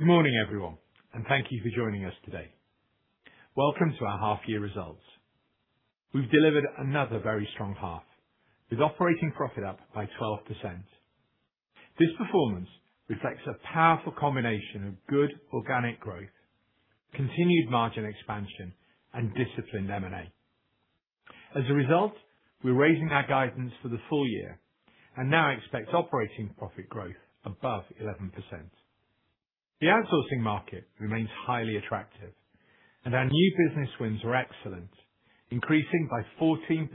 Morning everyone, thank you for joining us today. Welcome to our half year results. We've delivered another very strong half, with operating profit up by 12%. This performance reflects a powerful combination of good organic growth, continued margin expansion, and disciplined M&A. We're raising our guidance for the full year and now expect operating profit growth above 11%. The outsourcing market remains highly attractive, and our new business wins are excellent, increasing by 14%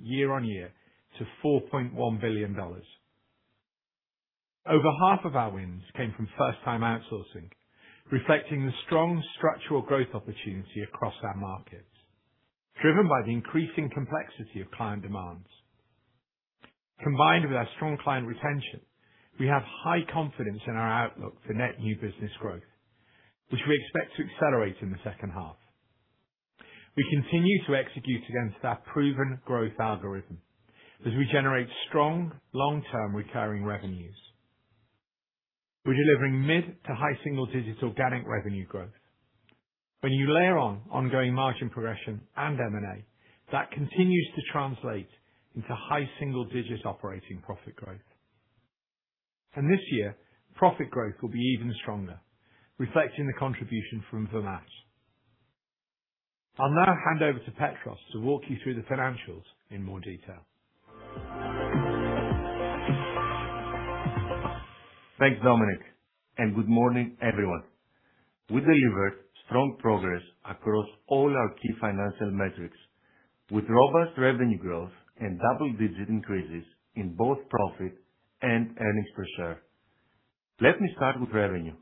year-over-year to $4.1 billion. Over half of our wins came from first-time outsourcing, reflecting the strong structural growth opportunity across our markets, driven by the increasing complexity of client demands. Combined with our strong client retention, we have high confidence in our outlook for net new business growth, which we expect to accelerate in the second half. We continue to execute against our proven growth algorithm as we generate strong long-term recurring revenues. We're delivering mid to high single-digit organic revenue growth. When you layer on ongoing margin progression and M&A, that continues to translate into high single-digit operating profit growth. This year, profit growth will be even stronger, reflecting the contribution from Vermaat. I'll now hand over to Petros to walk you through the financials in more detail. Thanks, Dominic, and good morning everyone. We delivered strong progress across all our key financial metrics with robust revenue growth and double-digit increases in both profit and earnings per share. Let me start with revenue.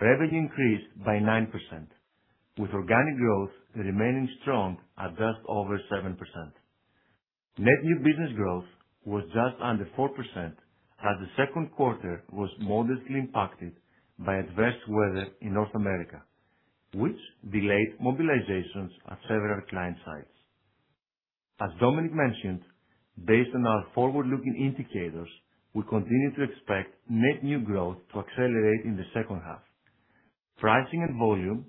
Revenue increased by 9%, with organic growth remaining strong at just over 7%. Net new business growth was just under 4% as the second quarter was modestly impacted by adverse weather in North America, which delayed mobilizations at several client sites. As Dominic mentioned, based on our forward-looking indicators, we continue to expect net new growth to accelerate in the second half. Pricing and volume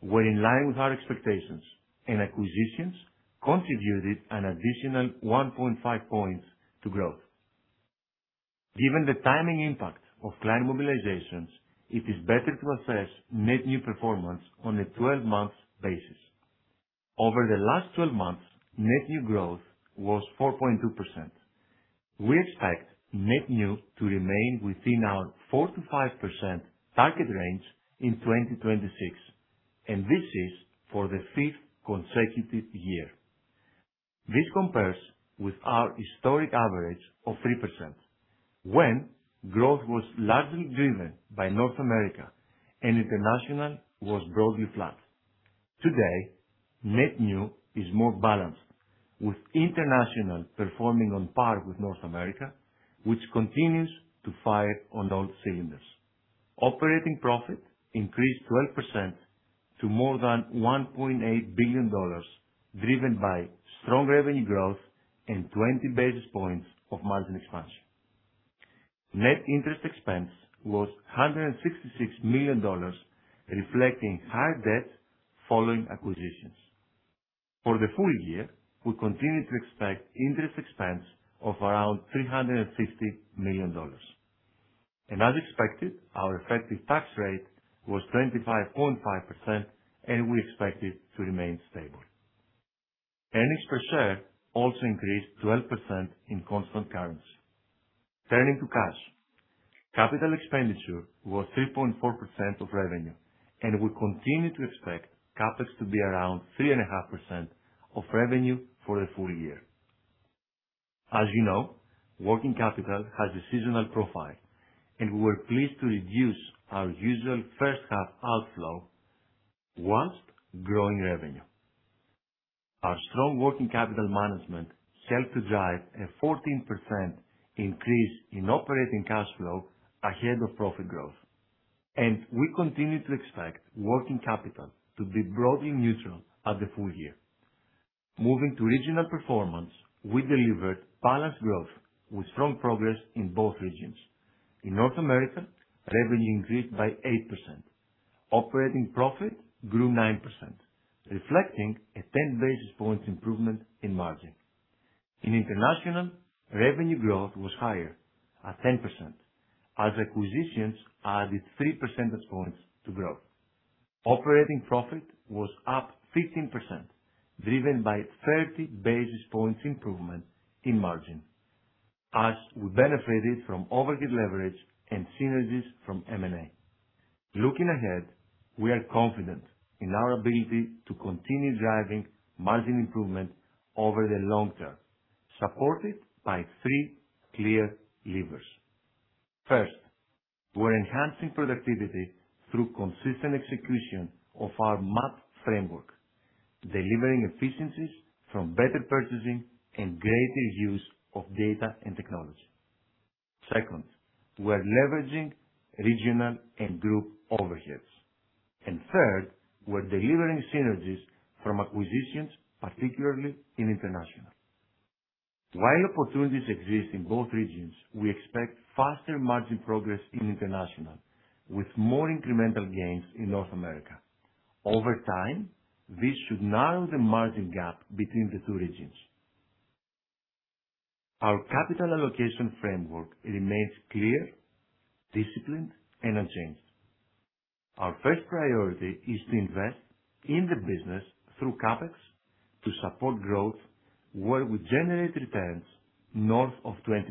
were in line with our expectations, acquisitions contributed an additional 1.5 points to growth. Given the timing impact of client mobilizations, it is better to assess net new performance on a 12 months basis. Over the last 12 months, net new growth was 4.2%. We expect net new to remain within our 4%-5% target range in 2026, and this is for the fifth consecutive year. This compares with our historic average of 3% when growth was largely driven by North America and international was broadly flat. Today, net new is more balanced, with international performing on par with North America, which continues to fire on all cylinders. Operating profit increased 12% to more than $1.8 billion, driven by strong revenue growth and 20 basis points of margin expansion. Net interest expense was $166 million, reflecting higher debt following acquisitions. For the full year, we continue to expect interest expense of around $350 million. As expected, our effective tax rate was 25.5%, and we expect it to remain stable. Earnings per share also increased 12% in constant currency. Turning to cash. Capital expenditure was 3.4% of revenue, and we continue to expect CapEx to be around 3.5% of revenue for the full year. As you know, working capital has a seasonal profile, and we were pleased to reduce our usual first half outflow whilst growing revenue. Our strong working capital management helped to drive a 14% increase in operating cash flow ahead of profit growth. We continue to expect working capital to be broadly neutral at the full year. Moving to regional performance, we delivered balanced growth with strong progress in both regions. In North America, revenue increased by 8%. Operating profit grew 9%, reflecting a 10 basis points improvement in margin. In international, revenue growth was higher at 10% as acquisitions added 3 percentage points to growth. Operating profit was up 15%, driven by 30 basis points improvement in margin as we benefited from overhead leverage and synergies from M&A. Looking ahead, we are confident in our ability to continue driving margin improvement over the long term, supported by three clear levers. First, we're enhancing productivity through consistent execution of our MAT framework, delivering efficiencies from better purchasing and greater use of data and technology. Second, we're leveraging regional and group overheads. Third, we're delivering synergies from acquisitions, particularly in international. While opportunities exist in both regions, we expect faster margin progress in international with more incremental gains in North America. Over time, this should narrow the margin gap between the two regions. Our capital allocation framework remains clear, disciplined, and unchanged. Our first priority is to invest in the business through CapEx to support growth where we generate returns north of 20%.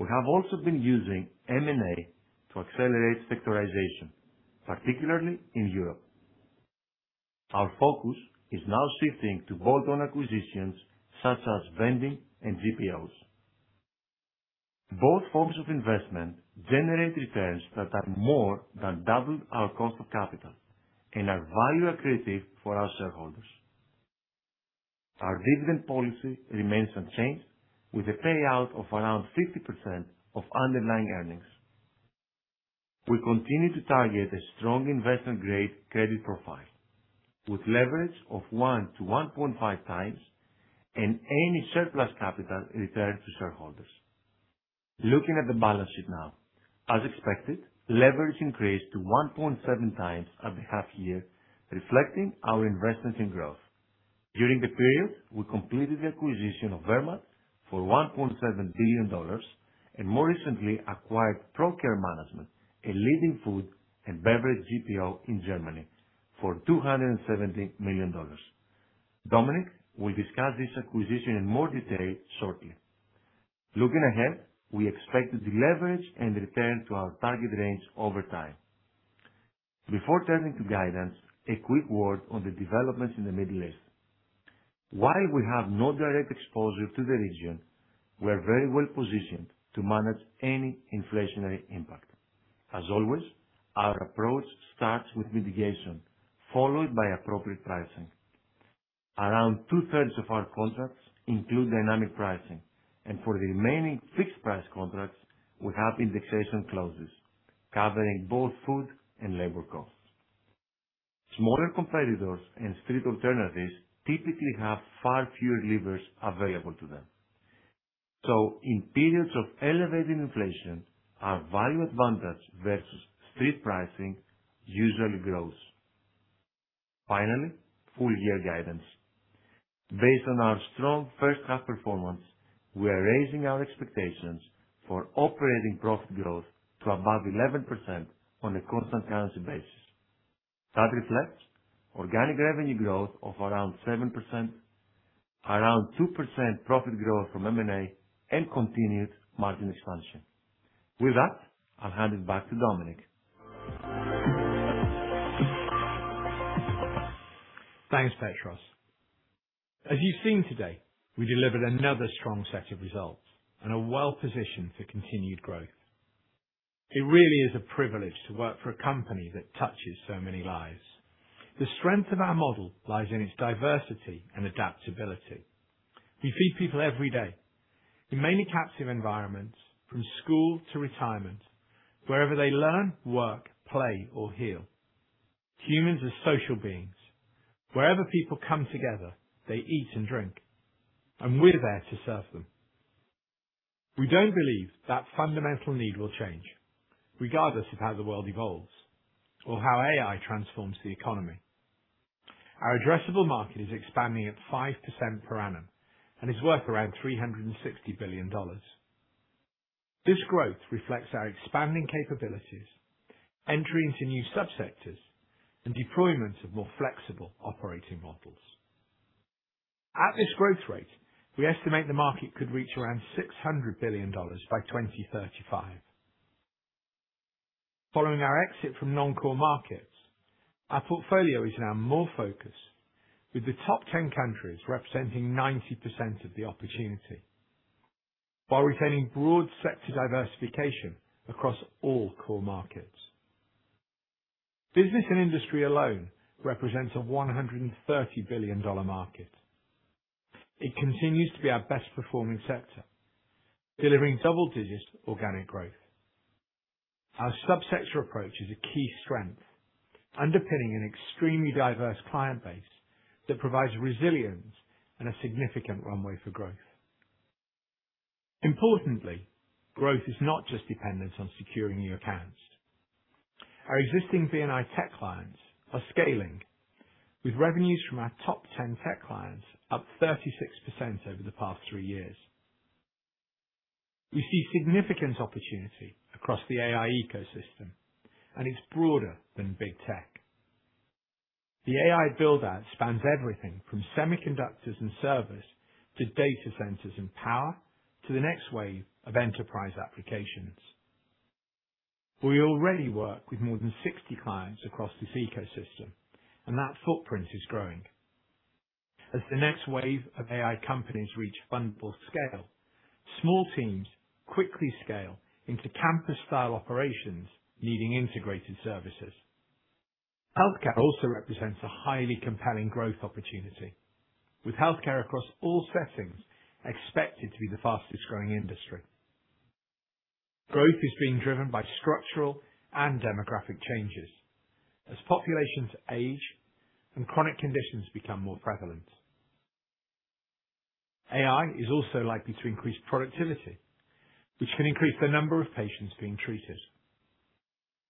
We have also been using M&A to accelerate sectorization, particularly in Europe. Our focus is now shifting to bolt-on acquisitions such as vending and GPOs. Both forms of investment generate returns that are more than double our cost of capital and are value accretive for our shareholders. Our dividend policy remains unchanged with a payout of around 60% of underlying earnings. We continue to target a strong investment-grade credit profile with leverage of 1x-1.5x and any surplus capital returned to shareholders. Looking at the balance sheet now. As expected, leverage increased to 1.7x at the half year, reflecting our investment in growth. During the period, we completed the acquisition of Vermaat for $1.7 billion and more recently acquired Pro Care Management, a leading food and beverage GPO in Germany for $270 million. Dominic will discuss this acquisition in more detail shortly. Looking ahead, we expect to deleverage and return to our target range over time. Before turning to guidance, a quick word on the developments in the Middle East. While we have no direct exposure to the region, we're very well-positioned to manage any inflationary impact. As always, our approach starts with mitigation, followed by appropriate pricing. Around two-thirds of our contracts include dynamic pricing, and for the remaining fixed-price contracts, we have indexation clauses covering both food and labor costs. Smaller competitors and street alternatives typically have far fewer levers available to them. In periods of elevated inflation, our value advantage versus street pricing usually grows. Finally, full-year guidance. Based on our strong first half performance, we are raising our expectations for operating profit growth to above 11% on a constant currency basis. That reflects organic revenue growth of around 7%, around 2% profit growth from M&A, and continued margin expansion. With that, I'll hand it back to Dominic. Thanks, Petros. As you've seen today, we delivered another strong set of results and are well-positioned for continued growth. It really is a privilege to work for a company that touches so many lives. The strength of our model lies in its diversity and adaptability. We feed people every day in many captive environments, from school to retirement, wherever they learn, work, play, or heal. Humans are social beings. Wherever people come together, they eat and drink, and we're there to serve them. We don't believe that fundamental need will change regardless of how the world evolves or how AI transforms the economy. Our addressable market is expanding at 5% per annum and is worth around $360 billion. This growth reflects our expanding capabilities, entry into new subsectors, and deployments of more flexible operating models. At this growth rate, we estimate the market could reach around $600 billion by 2035. Following our exit from non-core markets, our portfolio is now more focused, with the top 10 countries representing 90% of the opportunity while retaining broad sector diversification across all core markets. Business & Industry alone represents a $130 billion market. It continues to be our best performing sector, delivering double-digit organic growth. Our subsector approach is a key strength, underpinning an extremely diverse client base that provides resilience and a significant runway for growth. Importantly, growth is not just dependent on securing new accounts. Our existing B&I tech clients are scaling with revenues from our top 10 tech clients up 36% over the past three years. We see significant opportunity across the AI ecosystem, and it's broader than big tech. The AI build-out spans everything from semiconductors and servers to data centers and power to the next wave of enterprise applications. We already work with more than 60 clients across this ecosystem, and that footprint is growing. As the next wave of AI companies reach fundable scale, small teams quickly scale into campus-style operations needing integrated services. Healthcare also represents a highly compelling growth opportunity, with healthcare across all settings expected to be the fastest-growing industry. Growth is being driven by structural and demographic changes as populations age and chronic conditions become more prevalent. AI is also likely to increase productivity, which can increase the number of patients being treated.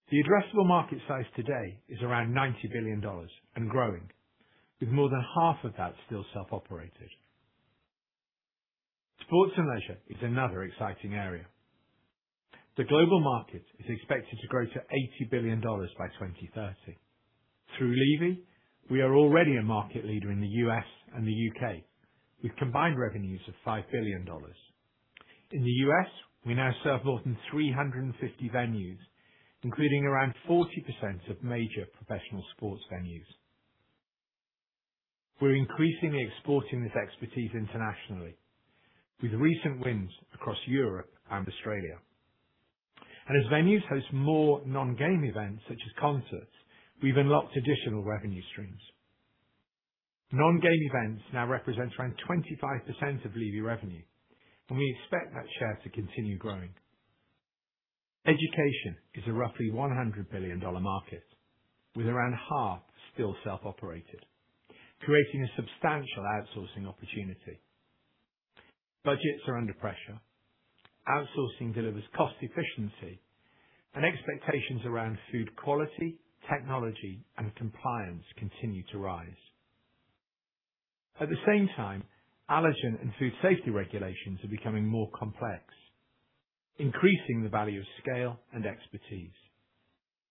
The addressable market size today is around $90 billion and growing, with more than half of that still self-operated. Sports and leisure is another exciting area. The global market is expected to grow to $80 billion by 2030. Through Levy, we are already a market leader in the U.S. and the U.K., with combined revenues of $5 billion. In the U.S., we now serve more than 350 venues, including around 40% of major professional sports venues. As venues host more non-game events such as concerts, we've unlocked additional revenue streams. Non-game events now represent around 25% of Levy revenue, and we expect that share to continue growing. Education is a roughly $100 billion market, with around half still self-operated, creating a substantial outsourcing opportunity. Budgets are under pressure. Outsourcing delivers cost efficiency and expectations around food quality, technology and compliance continue to rise. At the same time, allergen and food safety regulations are becoming more complex, increasing the value of scale and expertise.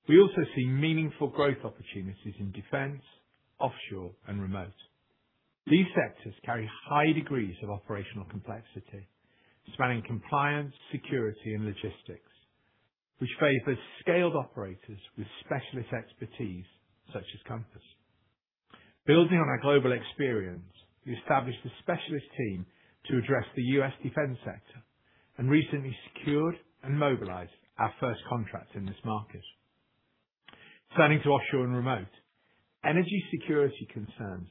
We also see meaningful growth opportunities in defense, offshore and remote. These sectors carry high degrees of operational complexity, spanning compliance, security and logistics, which favors scaled operators with specialist expertise such as Compass. Building on our global experience, we established a specialist team to address the U.S. defense sector and recently secured and mobilized our first contract in this market. Turning to offshore and remote. Energy security concerns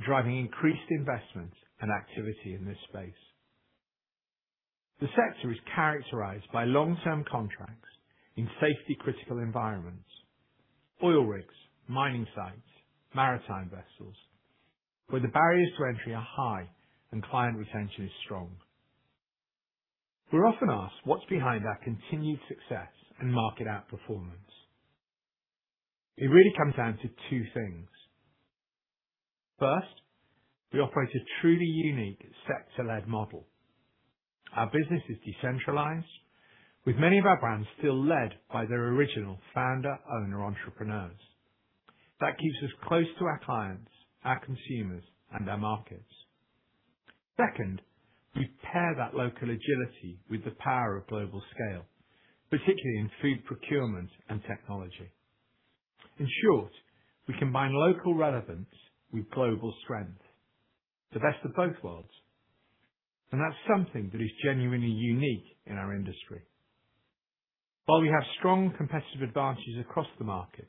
are driving increased investment and activity in this space. The sector is characterized by long-term contracts in safety-critical environments, oil rigs, mining sites, maritime vessels, where the barriers to entry are high and client retention is strong. We're often asked what's behind our continued success and market outperformance. It really comes down to two things. First, we operate a truly unique sector-led model. Our business is decentralized, with many of our brands still led by their original founder owner entrepreneurs. That keeps us close to our clients, our consumers, and our markets. Second, we pair that local agility with the power of global scale, particularly in food procurement and technology. In short, we combine local relevance with global strength, the best of both worlds, and that's something that is genuinely unique in our industry. While we have strong competitive advantages across the market,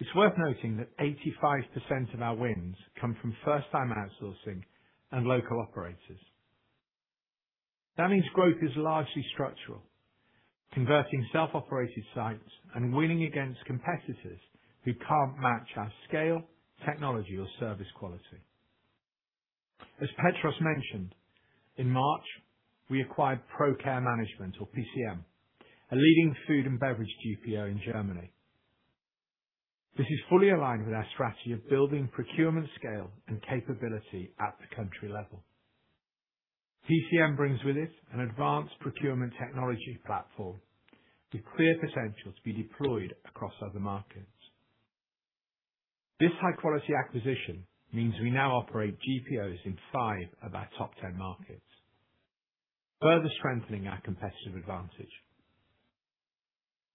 it's worth noting that 85% of our wins come from first-time outsourcing and local operators. That means growth is largely structural, converting self-operated sites and winning against competitors who can't match our scale, technology or service quality. As Petros mentioned, in March, we acquired Pro Care Management, or PCM, a leading food and beverage GPO in Germany. This is fully aligned with our strategy of building procurement scale and capability at the country level. PCM brings with it an advanced procurement technology platform with clear potential to be deployed across other markets. This high-quality acquisition means we now operate GPOs in five of our top 10 markets, further strengthening our competitive advantage.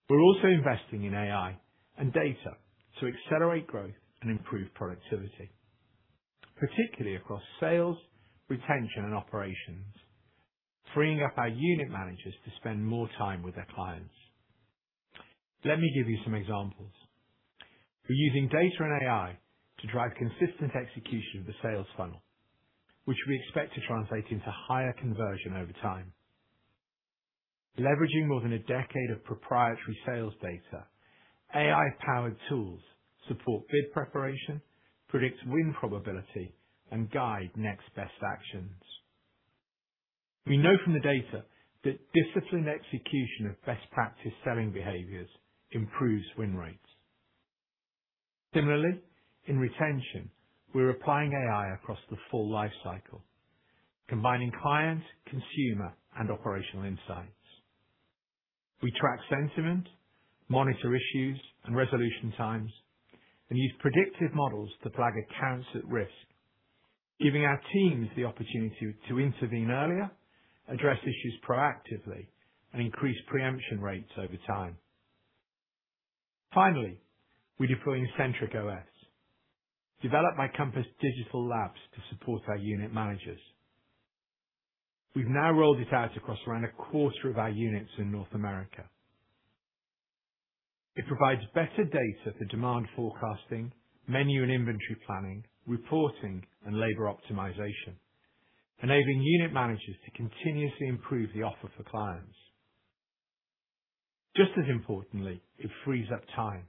We're also investing in AI and data to accelerate growth and improve productivity, particularly across sales, retention and operations, freeing up our unit managers to spend more time with their clients. Let me give you some examples. We're using data and AI to drive consistent execution of the sales funnel, which we expect to translate into higher conversion over time. Leveraging more than a decade of proprietary sales data, AI-powered tools support bid preparation, predict win probability, and guide next best actions. We know from the data that disciplined execution of best practice selling behaviors improves win rates. Similarly, in retention, we're applying AI across the full life cycle, combining client, consumer and operational insights. We track sentiment, monitor issues and resolution times, and use predictive models to flag accounts at risk, giving our teams the opportunity to intervene earlier, address issues proactively, and increase preemption rates over time. Finally, we deploy Centric OS, developed by Compass Digital Labs to support our unit managers. We've now rolled it out across around a quarter of our units in North America. It provides better data for demand forecasting, menu and inventory planning, reporting, and labor optimization, enabling unit managers to continuously improve the offer for clients. Just as importantly, it frees up time,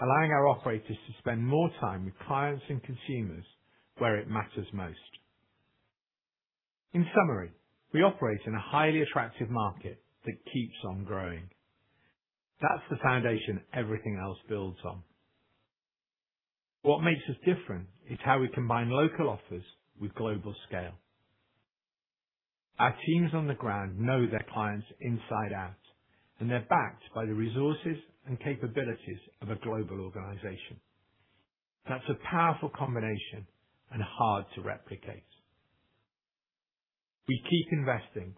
allowing our operators to spend more time with clients and consumers where it matters most. In summary, we operate in a highly attractive market that keeps on growing. That's the foundation everything else builds on. What makes us different is how we combine local offers with global scale. Our teams on the ground know their clients inside out, and they're backed by the resources and capabilities of a global organization. That's a powerful combination and hard to replicate. We keep investing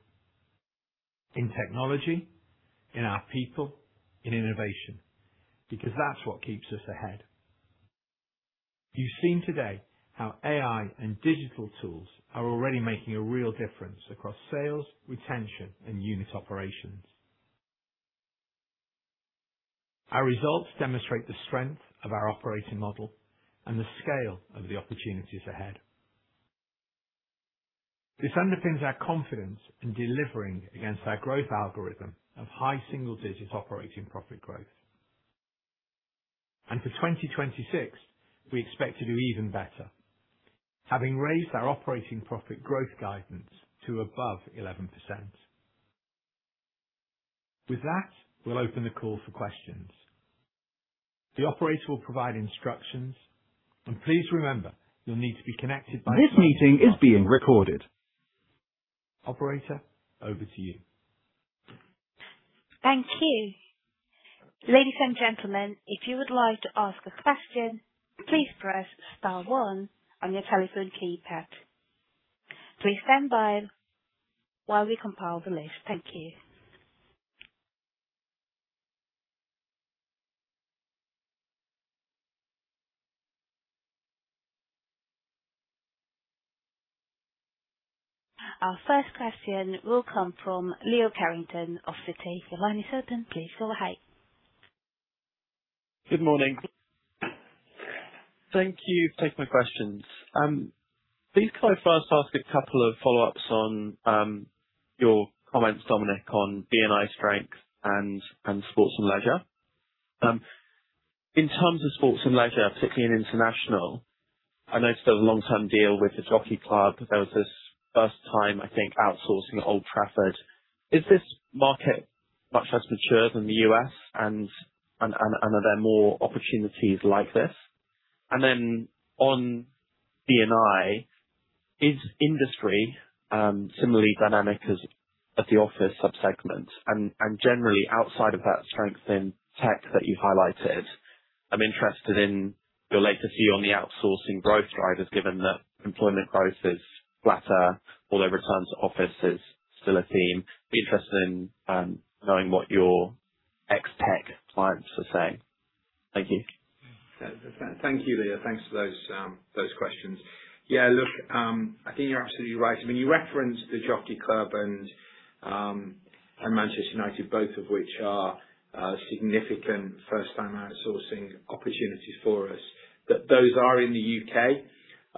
in technology, in our people, in innovation, because that's what keeps us ahead. You've seen today how AI and digital tools are already making a real difference across sales, retention, and unit operations. Our results demonstrate the strength of our operating model and the scale of the opportunities ahead. This underpins our confidence in delivering against our growth algorithm of high single digits operating profit growth. For 2026, we expect to do even better, having raised our operating profit growth guidance to above 11%. With that, we'll open the call for questions. The operator will provide instructions. And please remember, you'll need to be connected by a phone- This meeting is being recorded. Operator, over to you. Thank you. Ladies and gentlemen, if you would like to ask a question, please press star one on your telephone keypad. Please stand by while we compile the list. Thank you. Our first question will come from Leo Carrington of Citi. Your line is open. Please go ahead. Good morning. Thank you for taking my questions. Please can I first ask a couple of follow-ups on your comments, Dominic, on B&I strength and sports and leisure. In terms of sports and leisure, particularly in international, I noticed there was a long-term deal with The Jockey Club. There was this first time, I think, outsourcing Old Trafford. Is this market much less mature than the U.S. and are there more opportunities like this? Then on B&I, is industry similarly dynamic as the office sub-segment? Generally outside of that strength in tech that you highlighted, I'm interested in your legacy on the outsourcing growth drivers, given that employment growth is flatter, although return to office is still a theme. Interested in knowing what your ex-tech clients are saying. Thank you. Thank you, Leo. Thanks for those questions. Yeah, look, I think you're absolutely right. I mean, you referenced The Jockey Club and Manchester United, both of which are significant first-time outsourcing opportunities for us. Those are in the U.K.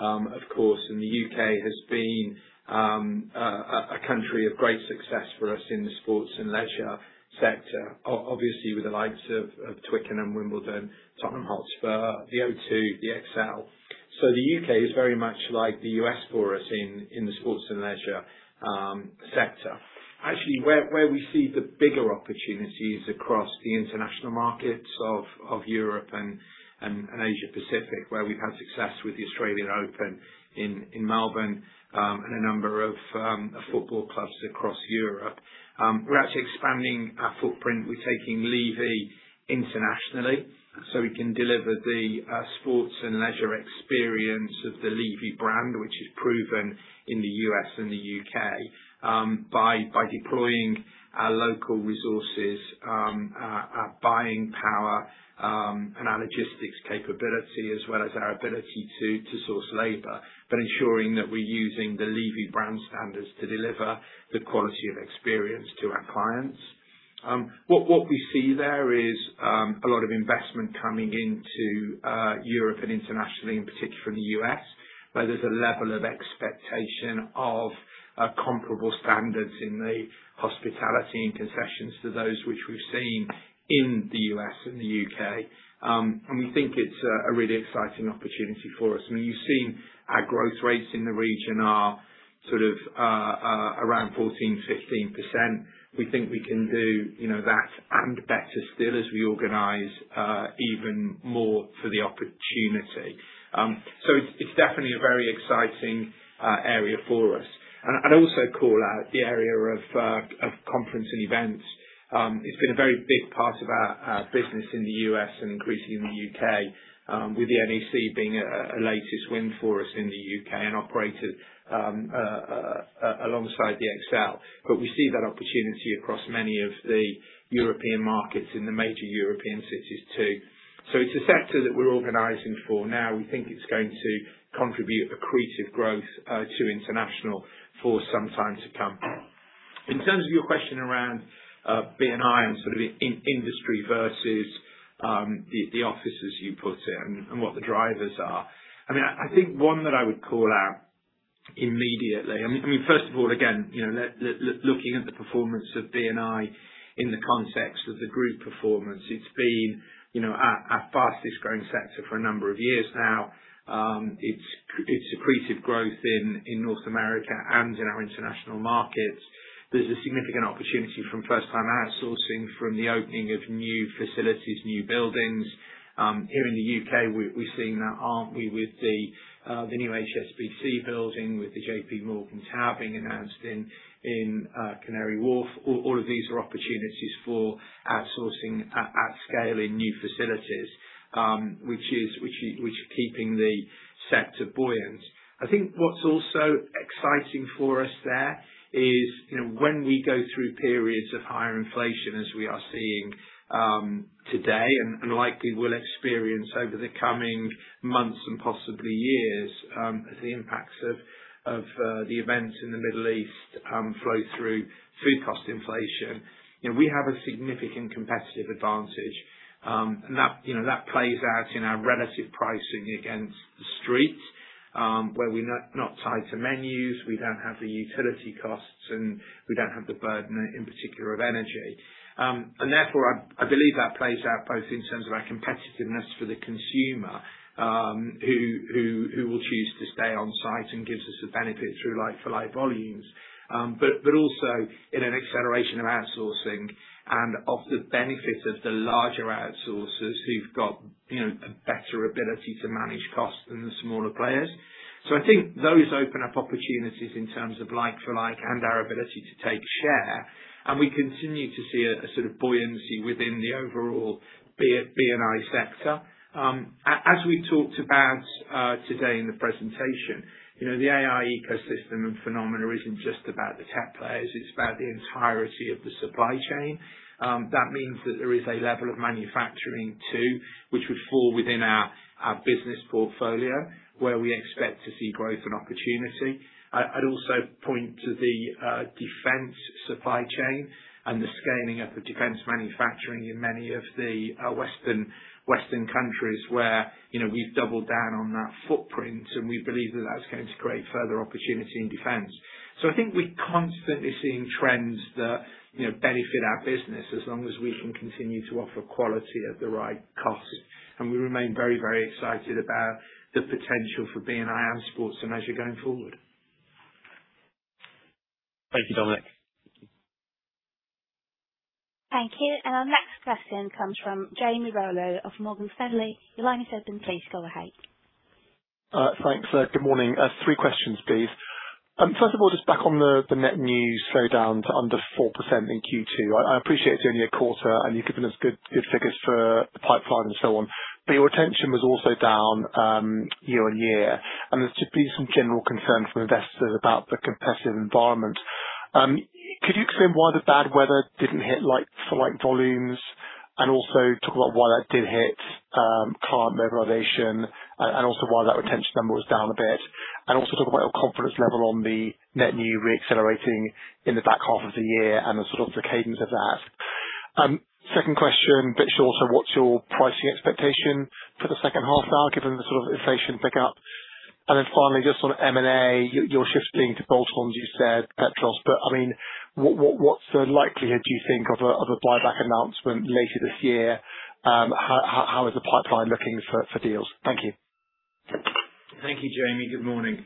Of course, the U.K. has been a country of great success for us in the sports and leisure sector. Obviously, with the likes of Twickenham, Wimbledon, Tottenham Hotspur, the O2, the ExCeL. The U.K. is very much like the U.S. for us in the sports and leisure sector. Actually, where we see the bigger opportunities across the international markets of Europe and Asia-Pacific, where we've had success with the Australian Open in Melbourne and a number of football clubs across Europe. We're actually expanding our footprint. We're taking Levy internationally, so we can deliver the sports and leisure experience of the Levy brand, which is proven in the U.S. and the U.K., by deploying our local resources, our buying power, and our logistics capability, as well as our ability to source labor. Ensuring that we're using the Levy brand standards to deliver the quality of experience to our clients. What we see there is a lot of investment coming into Europe and internationally, in particular from the U.S., where there's a level of expectation of comparable standards in the hospitality and concessions to those which we've seen in the U.S. and the U.K. We think it's a really exciting opportunity for us. I mean, you've seen our growth rates in the region are sort of around 14%, 15%. We think we can do, you know, that and better still as we organize even more for the opportunity. It's definitely a very exciting area for us. I'd also call out the area of conference and events. It's been a very big part of our business in the U.S. and increasingly in the U.K., with the NEC being a latest win for us in the U.K. and operated alongside the ExCeL. We see that opportunity across many of the European markets in the major European cities too. It's a sector that we're organizing for now. We think it's going to contribute accretive growth to international for some time to come. In terms of your question around B&I and sort of industry versus the offices you put in and what the drivers are. I mean, I think one that I would call out immediately. I mean, first of all, again, you know, looking at the performance of B&I in the context of the group performance, it's been, you know, our fastest growing sector for a number of years now. It's accreted growth in North America and in our international markets. There's a significant opportunity from first-time outsourcing from the opening of new facilities, new buildings. Here in the U.K., we're seeing that, aren't we, with the new HSBC building, with the JPMorgan tower being announced in Canary Wharf. All of these are opportunities for outsourcing at scale in new facilities, which are keeping the sector buoyant. I think what's also exciting for us there is, you know, when we go through periods of higher inflation, as we are seeing today and likely will experience over the coming months and possibly years, as the impacts of the events in the Middle East flow through food cost inflation. You know, we have a significant competitive advantage, and that, you know, that plays out in our relative pricing against the street, where we're not tied to menus, we don't have the utility costs, and we don't have the burden in particular of energy. Therefore, I believe that plays out both in terms of our competitiveness for the consumer, who will choose to stay on site and gives us the benefit through like-for-like volumes. But also in an acceleration of outsourcing and of the benefit of the larger outsourcers who've got, you know, a better ability to manage costs than the smaller players. I think those open up opportunities in terms of like-for-like, and our ability to take share. We continue to see a sort of buoyancy within the overall B&I sector. As we talked about today in the presentation, you know, the AI ecosystem and phenomena isn't just about the tech players, it's about the entirety of the supply chain. That means that there is a level of manufacturing too, which would fall within our business portfolio, where we expect to see growth and opportunity. I'd also point to the defense supply chain and the scaling of the defense manufacturing in many of the Western countries where, you know, we've doubled down on that footprint. We believe that that's going to create further opportunity in defense. I think we're constantly seeing trends that, you know, benefit our business as long as we can continue to offer quality at the right cost. We remain very excited about the potential for B&I and sports and leisure going forward. Thank you, Dominic. Thank you. Our next question comes from Jamie Rollo of Morgan Stanley. Your line is open. Please go ahead. Thanks. Good morning. Three questions, please. First of all, just back on the net new slowdown to under 4% in Q2. I appreciate it's only a quarter and you've given us good figures for the pipeline and so on. Your retention was also down year on year, and there's just been some general concern from investors about the competitive environment. Could you explain why the bad weather didn't hit like-for-like volumes? Also talk about why that did hit client mobilization, and also why that retention number was down a bit. Also talk about your confidence level on the net new re-accelerating in the back half of the year and the sort of the cadence of that. Second question, bit shorter, what's your pricing expectation for the second half now, given the sort of inflation pick-up? Finally, just on M&A, you're shifting to bolt-ons you said, Petros, I mean, what's the likelihood, do you think, of a buyback announcement later this year? How is the pipeline looking for deals? Thank you. Thank you, Jamie. Good morning.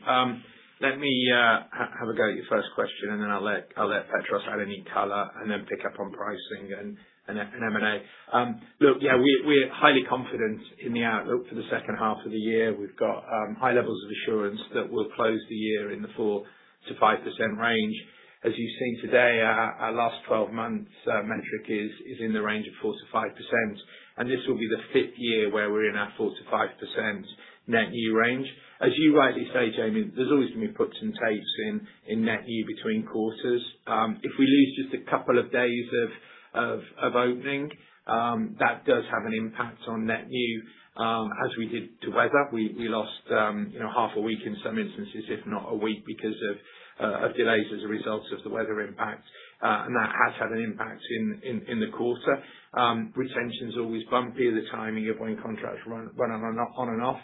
Let me have a go at your first question and then I'll let Petros add any color and then pick up on pricing and M&A. Look, yeah, we're highly confident in the outlook for the second half of the year. We've got high levels of assurance that we'll close the year in the 4%-5% range. As you've seen today, our last 12 months metric is in the range of 4%-5%, and this will be the fifth year where we're in our 4%-5% net new range. As you rightly say, Jamie, there's always gonna be puts and takes in net new between quarters. If we lose just a couple of days of opening, that does have an impact on net new, as we did to weather. We lost, you know, half a week in some instances, if not a week, because of delays as a result of the weather impact. That has had an impact in the quarter. Retention's always bumpy at the timing of when contracts run on and off.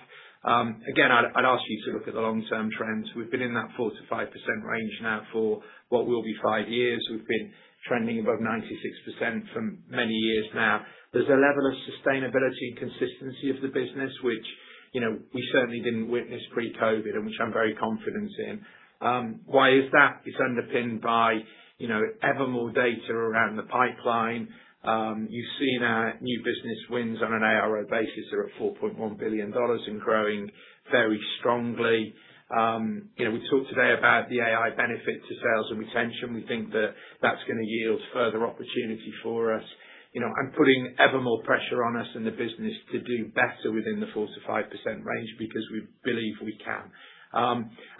Again, I'd ask you to look at the long term trends. We've been in that 4%-5% range now for what will be five years. We've been trending above 96% for many years now. There's a level of sustainability and consistency of the business, which, you know, we certainly didn't witness pre-COVID and which I'm very confident in. Why is that? It's underpinned by, you know, ever more data around the pipeline. You've seen our new business wins on an ARO basis are at $4.1 billion and growing very strongly. You know, we talked today about the AI benefit to sales and retention. We think that that's going to yield further opportunity for us, you know, and putting ever more pressure on us in the business to do better within the 4%-5% range because we believe we can.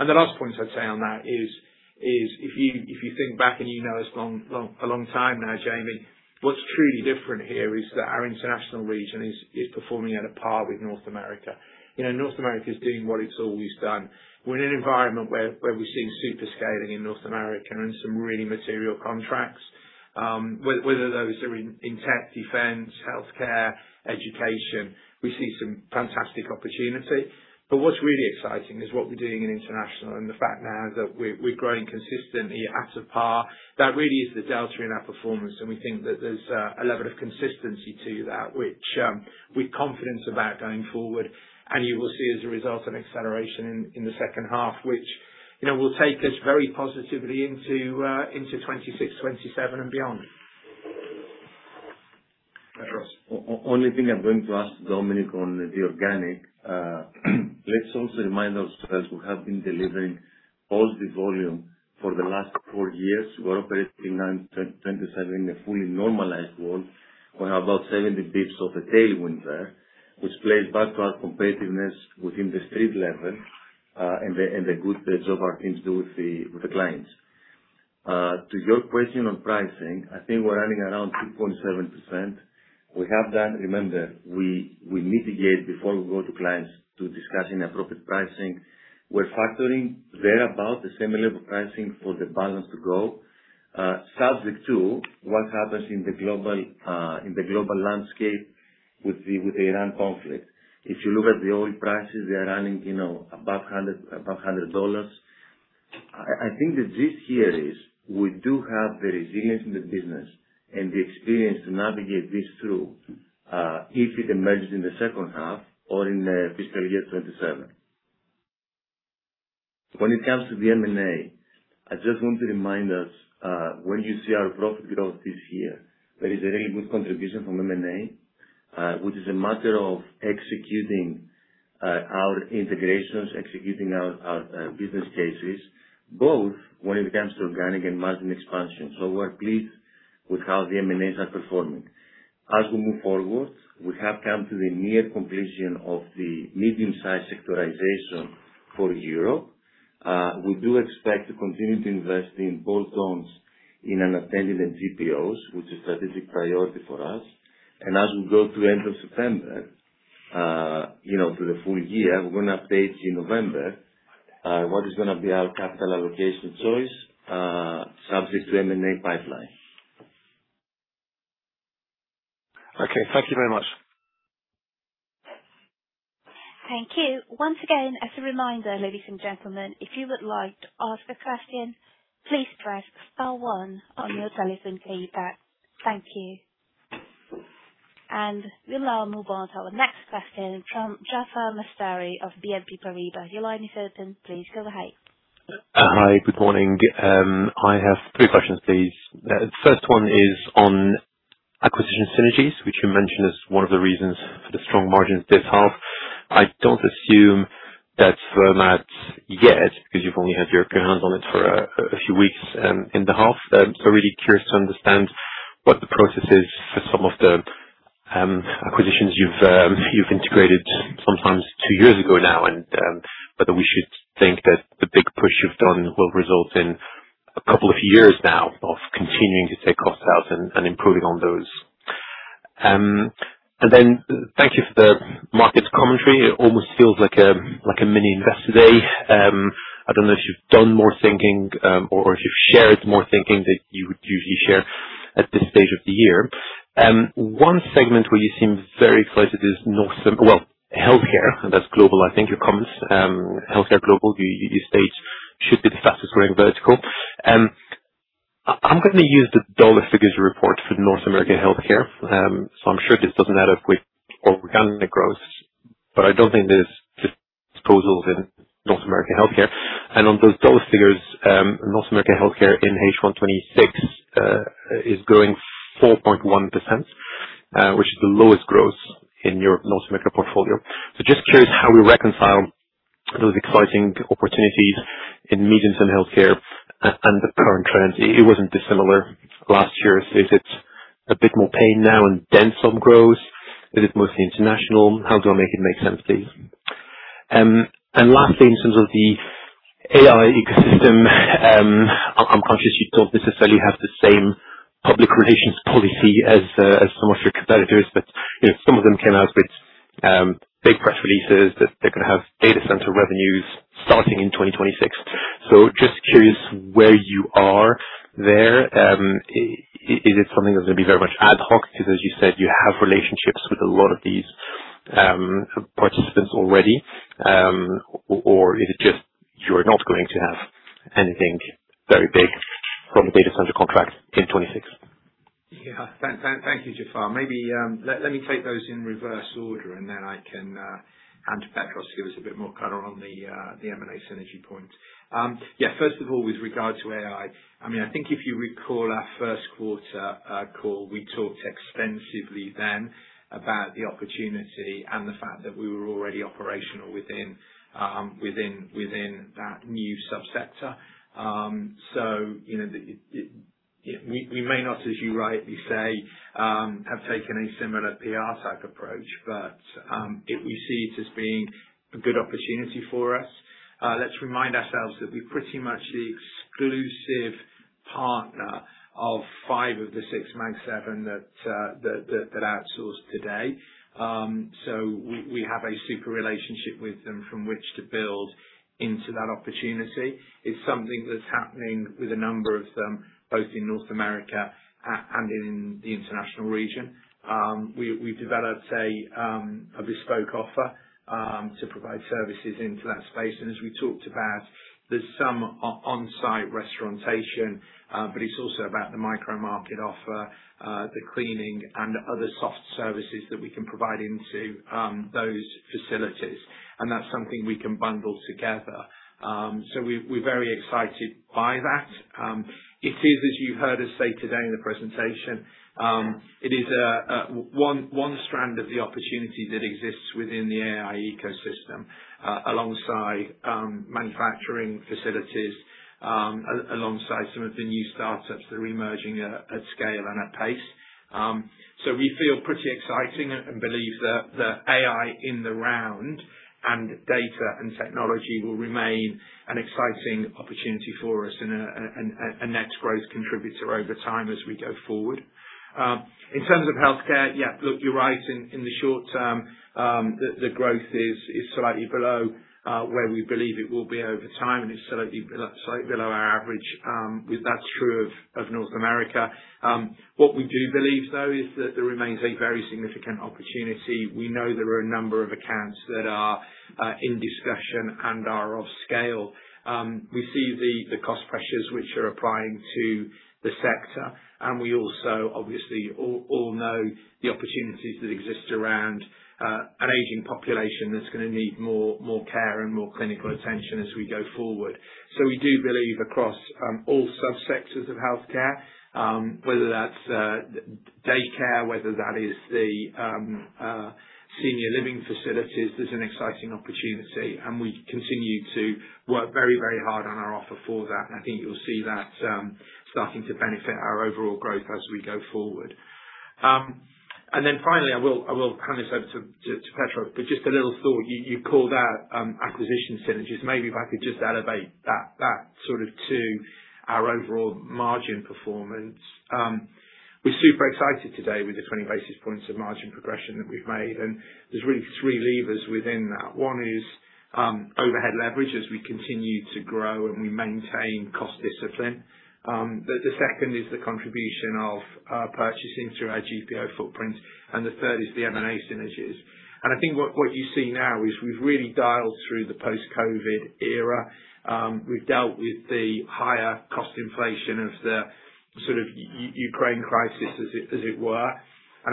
The last point I'd say on that is, if you, if you think back and you know us long, a long time now, Jamie, what's truly different here is that our international region is performing at a par with North America. You know, North America is doing what it's always done. We're in an environment where we're seeing super scaling in North America and some really material contracts. Whether those are in tech, defense, healthcare, education, we see some fantastic opportunity. What's really exciting is what we're doing in international and the fact now that we're growing consistently at a par. That really is the delta in our performance, we think that there's a level of consistency to that which with confidence about going forward. You will see as a result an acceleration in the second half, which, you know, will take us very positively into 2026, 2027 and beyond. Only thing I'm going to ask Dominic on the organic, let's also remind ourselves we have been delivering positive volume for the last four years. We're operating now in 2027, a fully normalized world. We have about 70 basis points of the tailwind there, which plays back to our competitiveness within the street level, and the good bits of our things to do with the clients. To your question on pricing, I think we're running around 2.7%. Remember, we mitigate before we go to clients to discussing appropriate pricing. We're factoring thereabout the same level of pricing for the balance to grow, subject to what happens in the global, in the global landscape with the Iran conflict. If you look at the oil prices, they are running, you know, above $100. I think the gist here is we do have the resilience in the business and the experience to navigate this through, if it emerges in the second half or in fiscal year 2027. When it comes to the M&A, I just want to remind us, when you see our profit growth this year, there is a very good contribution from M&A, which is a matter of executing our integrations, executing our business cases, both when it comes to organic and margin expansion. We're pleased with how the M&As are performing. As we move forward, we have come to the near completion of the medium-sized sectorization for Europe. We do expect to continue to invest in both zones in unattended and GPOs, which is a strategic priority for us. As we go to end of September, you know, to the full year, we're gonna update you in November, what is gonna be our capital allocation choice, subject to M&A pipeline. Okay. Thank you very much. Thank you. Once again, as a reminder, ladies and gentlemen, if you would like to ask a question, please press star one on your telephone keypad. Thank you. We will now move on to our next question from Jaafar Mestari of BNP Paribas. Your line is open. Please go ahead. Hi. Good morning. I have three questions, please. First one is on acquisition synergies, which you mentioned is one of the reasons for the strong margins this half. I don't assume that's Vermaat yet, because you've only had your hands on it for a few weeks in the half. So really curious to understand what the process is for some of the acquisitions you've integrated sometimes two years ago now, and whether we should think that the big push you've done will result in a couple of years now of continuing to take costs out and improving on those. Thank you for the market commentary. It almost feels like a like a mini investor day. I don't know if you've done more thinking, or if you've shared more thinking that you would usually share at this stage of the year. One segment where you seem very excited is healthcare, and that's global, I think, your comments. Healthcare global, you state should be the fastest growing vertical. I'm gonna use the dollar figures you report for North American Healthcare. I'm sure this doesn't add up with organic growth, I don't think there's disposals in North American Healthcare. On those dollar figures, North American Healthcare in H1 2026 is growing 4.1%, which is the lowest growth in your North American portfolio. Just curious how we reconcile those exciting opportunities in mediums and healthcare and the current trends. It wasn't dissimilar last year. Is it a bit more pain now and then some growth? Is it mostly international? How do I make it make sense, please? Lastly, in terms of the AI ecosystem, I'm conscious you don't necessarily have the same public relations policy as some of your competitors, but, you know, some of them came out with big press releases that they're gonna have data center revenues starting in 2026. Just curious where you are there. Is it something that's gonna be very much ad hoc? Because as you said, you have relationships with a lot of these participants already. Is it just you're not going to have anything very big from data center contracts in 2026? Thank you, Jaafar. Let me take those in reverse order, and then I can hand to Petros to give us a bit more color on the M&A synergy point. First of all, with regards to AI, I mean, I think if you recall our first quarter call, we talked extensively then about the opportunity and the fact that we were already operational within that new subsector. You know, we may not, as you rightly say, have taken a similar PR-type approach, but we see it as being a good opportunity for us. Let's remind ourselves that we're pretty much the exclusive partner of five of the six Magnificent Seven that outsource today. We, we have a super relationship with them from which to build into that opportunity. It's something that's happening with a number of them, both in North America and in the international region. We, we've developed a bespoke offer to provide services into that space. As we talked about, there's some onsite restaurants, but it's also about the micro market offer, the cleaning and other soft services that we can provide into those facilities. That's something we can bundle together. We're very excited by that. It is, as you heard us say today in the presentation, it is a one strand of the opportunity that exists within the AI ecosystem alongside manufacturing facilities alongside some of the new startups that are emerging at scale and at pace. We feel pretty exciting and believe that the AI in the round, and data and technology will remain an exciting opportunity for us and a net growth contributor over time as we go forward. In terms of healthcare, you're right in the short term, the growth is slightly below where we believe it will be over time, and it's slightly below our average. With that true of North America. What we do believe, though, is that there remains a very significant opportunity. We know there are a number of accounts that are in discussion and are off scale. We see the cost pressures which are applying to the sector, and we also obviously all know the opportunities that exist around an aging population that's going to need more care and more clinical attention as we go forward. We do believe across all subsectors of healthcare, whether that's daycare, whether that is the senior living facilities, there's an exciting opportunity, and we continue to work very hard on our offer for that. I think you'll see that starting to benefit our overall growth as we go forward. Finally, I will hand this over to Petros. Just a little thought, you called out acquisition synergies. Maybe if I could just elevate that sort of to our overall margin performance. We're super excited today with the 20 basis points of margin progression that we've made. There's really three levers within that. One is overhead leverage as we continue to grow and we maintain cost discipline. The second is the contribution of purchasing through our GPO footprint. The third is the M&A synergies. I think what you see now is we've really dialed through the post-COVID era. We've dealt with the higher cost inflation of the sort of Ukraine crisis as it were.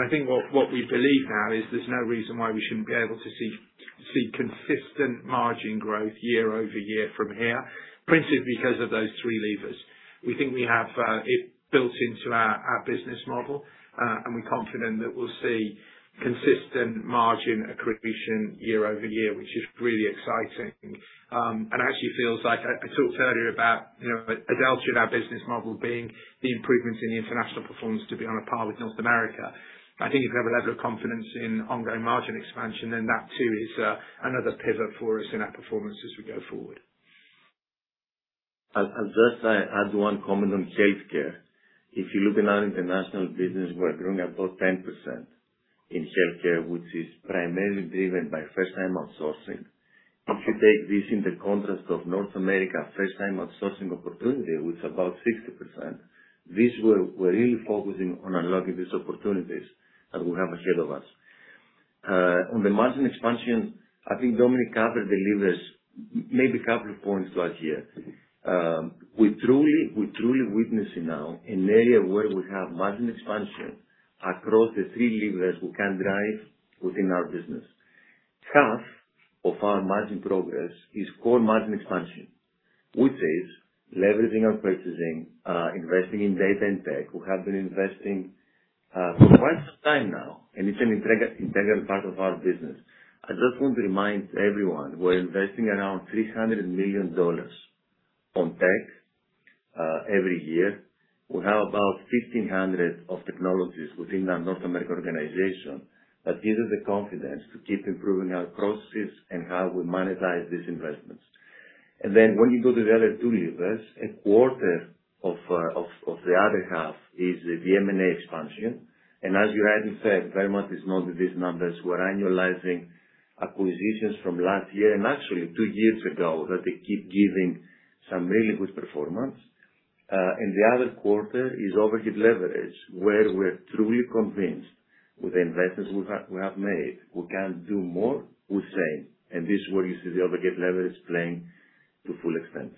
I think what we believe now is there's no reason why we shouldn't be able to see consistent margin growth year-over-year from here, principally because of those three levers. We think we have it built into our business model. We're confident that we'll see consistent margin accretion year-over-year, which is really exciting. Actually feels like I talked earlier about, you know, a delta in our business model being the improvements in the international performance to be on a par with North America. I think if you have a level of confidence in ongoing margin expansion, that too is another pivot for us in our performance as we go forward. I'll just add one comment on healthcare. If you're looking at international business, we're growing about 10% in healthcare, which is primarily driven by first-time outsourcing. If you take this in the context of North America first-time outsourcing opportunity, which is about 60%, this where we're really focusing on unlocking these opportunities that we have ahead of us. On the margin expansion, I think Dominic covered the levers. Maybe a couple of points to add here. We're truly witnessing now an area where we have margin expansion across the three levers we can drive within our business. Half of our margin progress is core margin expansion, which is leveraging our purchasing, investing in data and tech. We have been investing for quite some time now, and it's an integral part of our business. I just want to remind everyone, we're investing around $300 million on tech every year. We have about 1,500 of technologies within our North America organization that gives us the confidence to keep improving our processes and how we monetize these investments. Then when you go to the other two levers, a quarter of the other half is the M&A expansion. As you rightly said, very much it's not that these numbers were annualizing acquisitions from last year and actually two years ago, that they keep giving some really good performance. The other quarter is overhead leverage, where we're truly convinced with the investments we have made, we can do more with same. This is where you see the overhead leverage playing to full extent.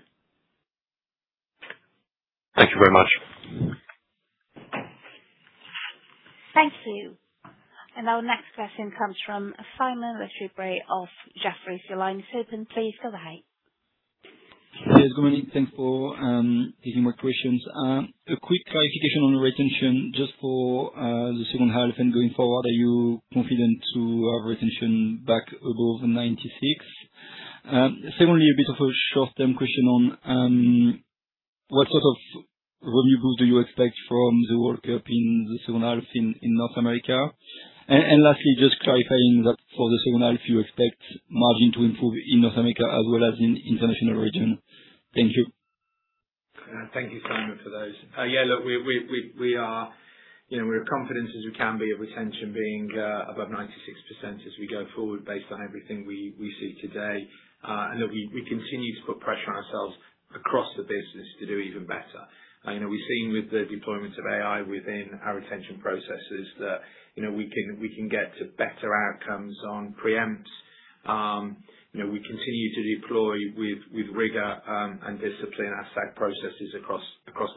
Thank you very much. Thank you. Our next question comes from Simon Lechipre of Jefferies. Your line is open. Please go ahead. Yes, good morning. Thanks for taking my questions. A quick clarification on retention just for the second half and going forward. Are you confident to have retention back above 96%? Secondly, a bit of a short-term question on what sort of revenue do you expect from the World Cup in North America? Lastly, just clarifying that if you expect margin to improve in North America as well as in international region. Thank you. Thank you, Simon, for those. Yeah, look, You know, we are confident as we can be of retention being above 96% as we go forward based on everything we see today. Look, we continue to put pressure on ourselves across the business to do even better. You know, we've seen with the deployment of AI within our retention processes that, you know, we can get to better outcomes on preempts. You know, we continue to deploy with rigor and discipline our site processes across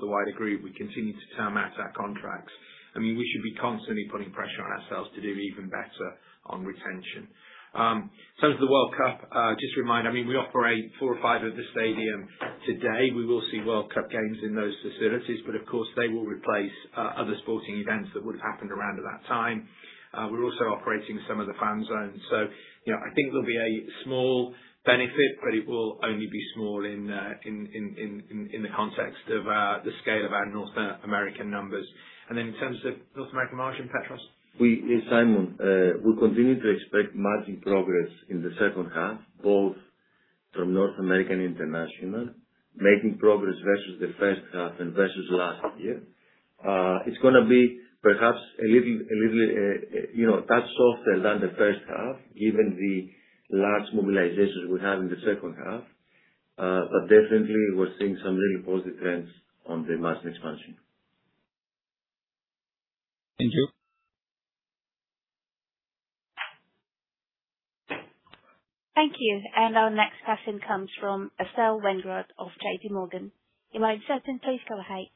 the wider group. We continue to term out our contracts. I mean, we should be constantly putting pressure on ourselves to do even better on retention. In terms of the World Cup, just remind, I mean, we operate four or five of the stadiums today. We will see World Cup games in those facilities, but of course, they will replace other sporting events that would've happened around at that time. We're also operating some of the fan zones. So, you know, I think there'll be a small benefit, but it will only be small in the context of the scale of our North American numbers. Then in terms of North American margin, Petros? Yeah, Simon. We continue to expect margin progress in the second half, both from North American International, making progress versus the first half and versus last year. It's gonna be perhaps a little, you know, touch softer than the first half, given the large mobilizations we have in the second half. Definitely we're seeing some really positive trends on the margin expansion. Thank you. Thank you. Our next question comes from Estelle Weingrod of JPMorgan. You may insert and please go ahead.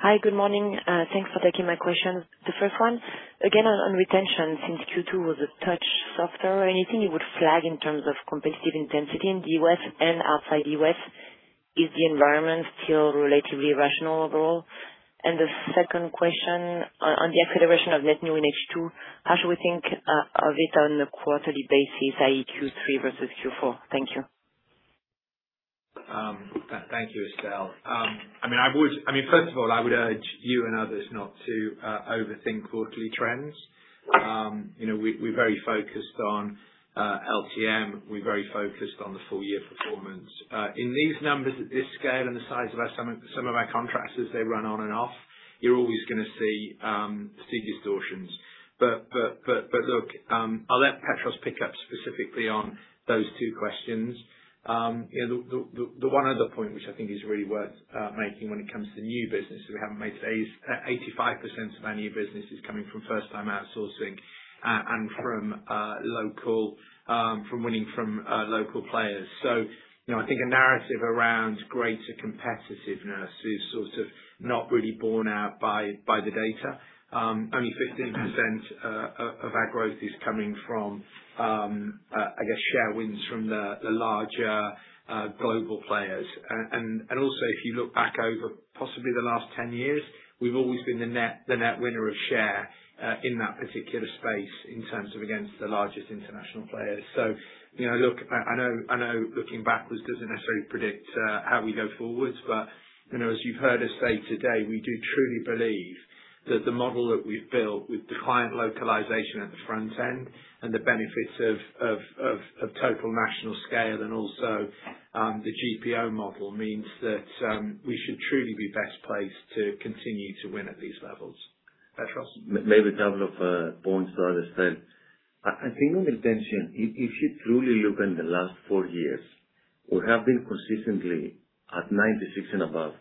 Hi. Good morning. Thanks for taking my question. The first one, again, on retention, since Q2 was a touch softer, anything you would flag in terms of competitive intensity in the U.S. and outside U.S.? Is the environment still relatively rational overall? The second question, on the acceleration of net new in H2, how should we think of it on a quarterly basis, i.e. Q3 versus Q4? Thank you. Thank you, Estelle. I mean, first of all, I would urge you and others not to overthink quarterly trends. You know, we're very focused on LTM. We're very focused on the full-year performance. In these numbers at this scale and the size of our some of our contracts as they run on and off, you're always gonna see distortions. Look, I'll let Petros pick up specifically on those two questions. You know, the one other point which I think is really worth making when it comes to new business, we haven't made is 85% of our new business is coming from first-time outsourcing and from local, from winning local players. You know, I think a narrative around greater competitiveness is sort of not really borne out by the data. Only 15% of our growth is coming from, I guess, share wins from the larger global players. Also if you look back over possibly the last 10 years, we've always been the net winner of share in that particular space in terms of against the largest international players. You know, look, I know looking backwards doesn't necessarily predict how we go forwards, but, you know, as you've heard us say today, we do truly believe that the model that we've built with the client localization at the front end and the benefits of total national scale and also the GPO model means that we should truly be best placed to continue to win at these levels. Petros? Maybe a couple of points to understand. I think on retention, if you truly look in the last four years, we have been consistently at 96% and above.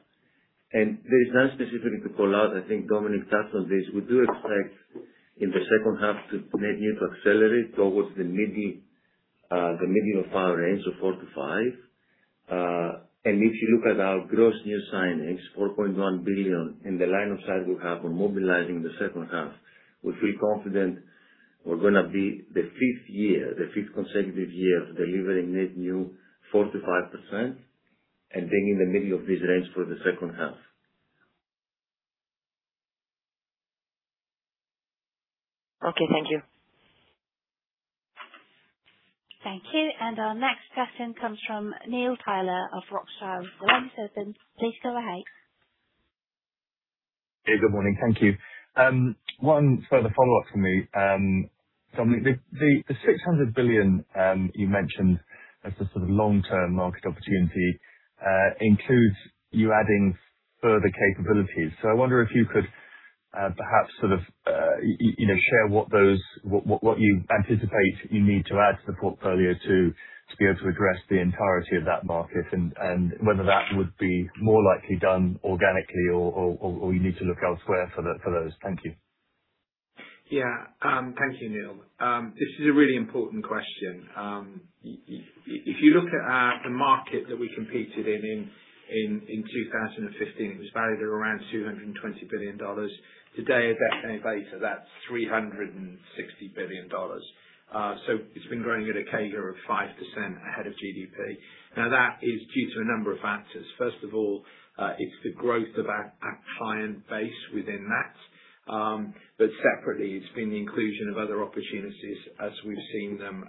There is none specifically to call out. I think Dominic touched on this. We do expect in the second half to net new to accelerate towards the middle, the middle of our range, so 4%-5%. If you look at our gross new signings, 4.1 billion, and the line of sight we have on mobilizing the second half, we feel confident we're going to be the fifth year, the fifth consecutive year of delivering net new 4%-5% and being in the middle of this range for the second half. Okay. Thank you. Thank you. Our next question comes from Neil Tyler of Rothschild. You are unmuted. Please go ahead. Hey, good morning. Thank you. One further follow-up from me. Dominic, the 600 billion you mentioned as the sort of long-term market opportunity includes you adding further capabilities. I wonder if you could perhaps sort of you know share what those what you anticipate you need to add to the portfolio to be able to address the entirety of that market and whether that would be more likely done organically or you need to look elsewhere for those. Thank you. Yeah. Thank you, Neil. This is a really important question. If you look at the market that we competed in 2015, it was valued at around $220 billion. Today, that integrates, so that's $360 billion. It's been growing at a CAGR of 5% ahead of GDP. Now, that is due to a number of factors. First of all, it's the growth of our client base within that. Separately, it's been the inclusion of other opportunities as we've seen them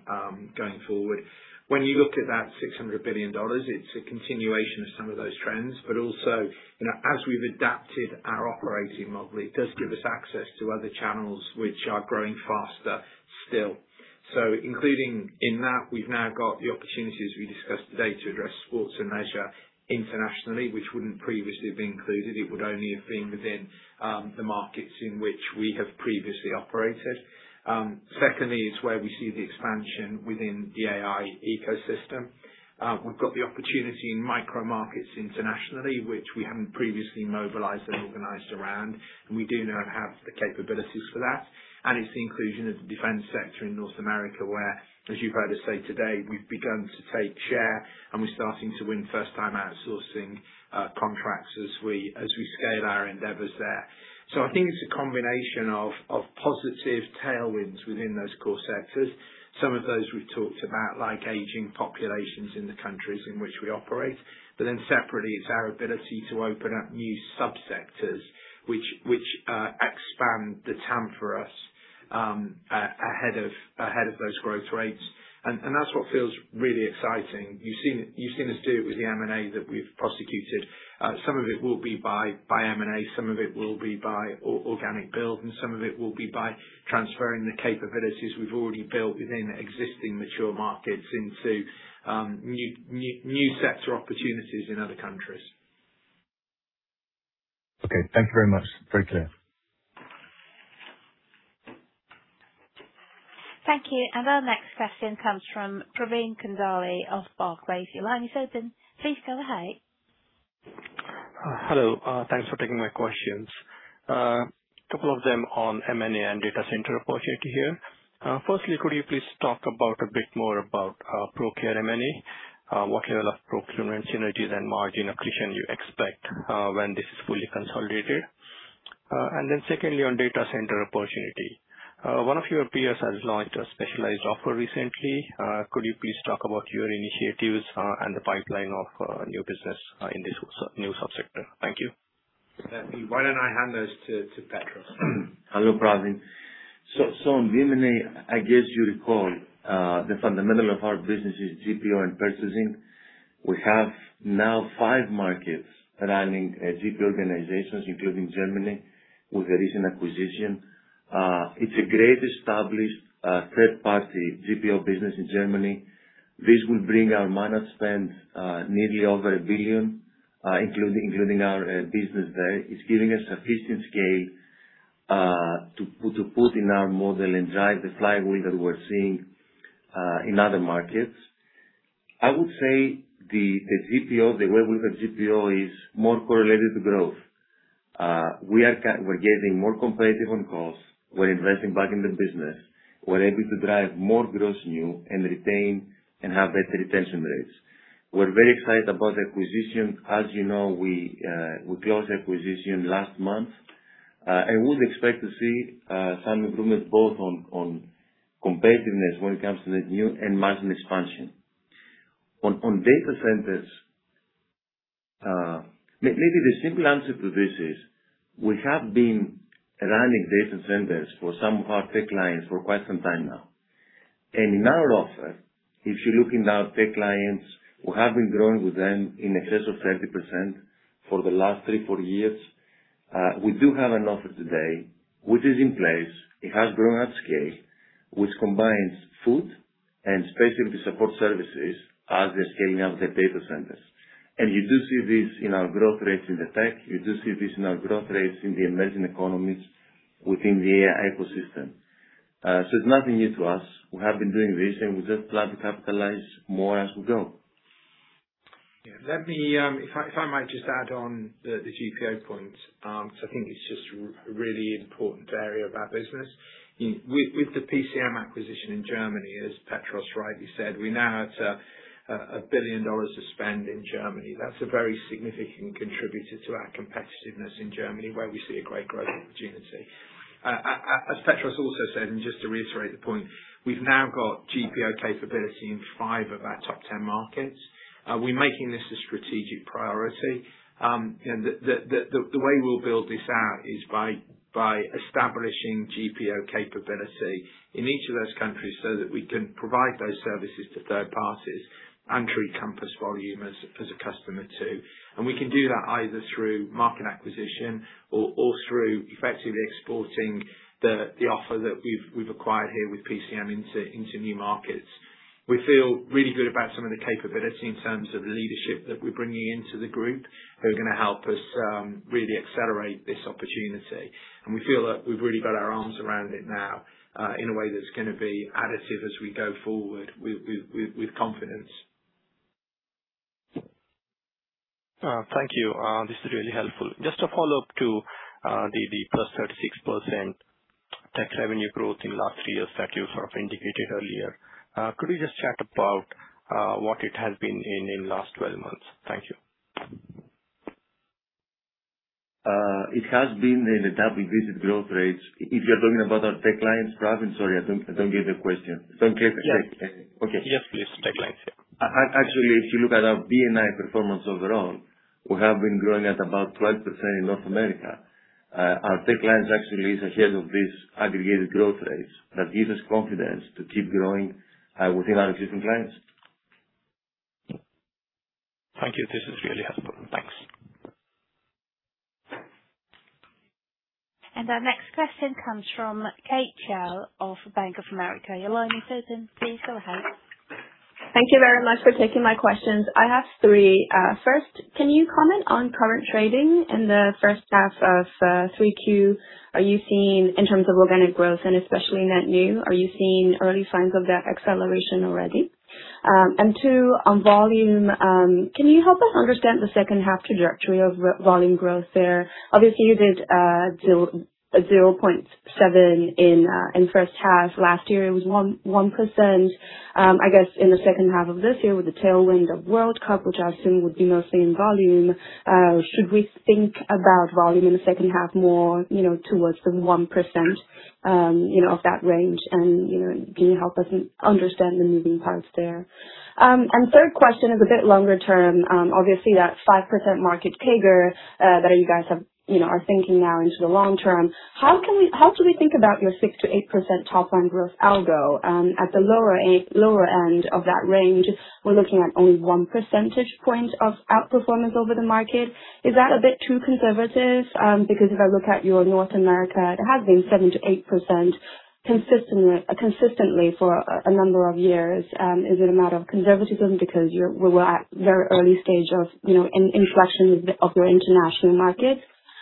going forward. When you look at that $600 billion, it's a continuation of some of those trends, but also, you know, as we've adapted our operating model, it does give us access to other channels which are growing faster still. Including in that, we've now got the opportunities we discussed today to address sports and leisure internationally, which wouldn't previously have been included. It would only have been within the markets in which we have previously operated. Secondly, it's where we see the expansion within the AI ecosystem. We've got the opportunity in micro markets internationally, which we haven't previously mobilized and organized around, and we do now have the capabilities for that. It's the inclusion of the defense sector in North America, where, as you've heard us say today, we've begun to take share and we're starting to win first-time outsourcing contracts as we scale our endeavors there. I think it's a combination of positive tailwinds within those core sectors. Some of those we've talked about, like aging populations in the countries in which we operate. Separately, it's our ability to open up new subsectors which expand the TAM for us ahead of those growth rates. That's what feels really exciting. You've seen us do it with the M&A that we've prosecuted. Some of it will be by M&A, some of it will be by organic build, and some of it will be by transferring the capabilities we've already built within existing mature markets into new sector opportunities in other countries. Okay, thank you very much. Very clear. Thank you. Our next question comes from Pravin Gondhale of Barclays. Your line is open. Please go ahead. Hello. Thanks for taking my questions. Two of them on M&A and data center opportunity here. Firstly, could you please talk about a bit more about Pro Care M&A? What level of procurement synergies and margin accretion you expect when this is fully consolidated? Secondly, on data center opportunity. One of your peers has launched a specialized offer recently. Could you please talk about your initiatives and the pipeline of new business in this new subsector? Thank you. Why don't I hand those to Petros? Hello, Pravin. On the M&A, I guess you recall, the fundamental of our business is GPO and purchasing. We have now five markets running GPO organizations, including Germany, with the recent acquisition. It's a great established third-party GPO business in Germany. This will bring our managed spend nearly over 1 billion, including our business there. It's giving us sufficient scale to put in our model and drive the flywheel that we're seeing in other markets. I would say the GPO, the way we've got GPO is more correlated to growth. We're getting more competitive on costs. We're investing back in the business. We're able to drive more gross new and retain and have better retention rates. We're very excited about the acquisition. As you know, we closed the acquisition last month. We would expect to see some improvement both on competitiveness when it comes to net new and margin expansion. On data centers, maybe the simple answer to this is we have been running data centers for some of our tech clients for quite some time now. In our offer, if you're looking at our tech clients, we have been growing with them in excess of 30% for the last three, four years. We do have an offer today, which is in place, it has grown at scale, which combines food and specialty support services as they're scaling up their data centers. You do see this in our growth rates in the tech, you do see this in our growth rates in the emerging economies within the AI ecosystem. It's nothing new to us. We have been doing this, and we just plan to capitalize more as we go. Yeah. Let me, if I might just add on the GPO point, because I think it's just a really important area of our business. You know, with the PCM acquisition in Germany, as Petros rightly said, we're now at $1 billion of spend in Germany. That's a very significant contributor to our competitiveness in Germany, where we see a great growth opportunity. As Petros also said, and just to reiterate the point, we've now got GPO capability in five of our top 10 markets. We're making this a strategic priority. The way we'll build this out is by establishing GPO capability in each of those countries so that we can provide those services to third parties and to Compass volume as a customer too. We can do that either through market acquisition or through effectively exporting the offer that we've acquired here with PCM into new markets. We feel really good about some of the capability in terms of the leadership that we're bringing into the group, who are gonna help us really accelerate this opportunity. We feel that we've really got our arms around it now in a way that's gonna be additive as we go forward with confidence. Thank you. This is really helpful. Just a follow-up to the plus 36% tech revenue growth in last three years that you sort of indicated earlier. Could you just chat about what it has been in last 12 months? Thank you. It has been in the double-digit growth rates. If you're talking about our tech clients, Pravin? Sorry, I don't get the question. Don't get the question. Yeah. Okay. Yes, please. Tech clients. Actually, if you look at our B&I performance overall, we have been growing at about 12% in North America. Our tech clients actually is ahead of this aggregated growth rates. That gives us confidence to keep growing within our existing clients. Thank you. This is really helpful. Thanks. Our next question comes from Kate Xiao of Bank of America. Your line is open. Please go ahead. Thank you very much for taking my questions. I have three. First, can you comment on current trading in the first half of 3Q? Are you seeing, in terms of organic growth and especially net new, early signs of that acceleration already? Two, on volume, can you help us understand the second half trajectory of volume growth there? Obviously you did 0.7% in first half. Last year it was 1%. I guess in the second half of this year with the tailwind of FIFA World Cup, which I assume would be mostly in volume, should we think about volume in the second half more, you know, towards the 1%, you know, of that range? You know, can you help us understand the moving parts there? Third question is a bit longer term. Obviously that 5% market CAGR that you guys have, you know, are thinking now into the long term. How should we think about your 6%-8% top line growth algo at the lower end of that range? We're looking at only 1 percentage point of outperformance over the market. Is that a bit too conservative? Because if I look at your North America, it has been 7%-8% consistently for a number of years. Is it a matter of conservatism because you're, we're at very early stage of, you know, inflection of the, of your international markets?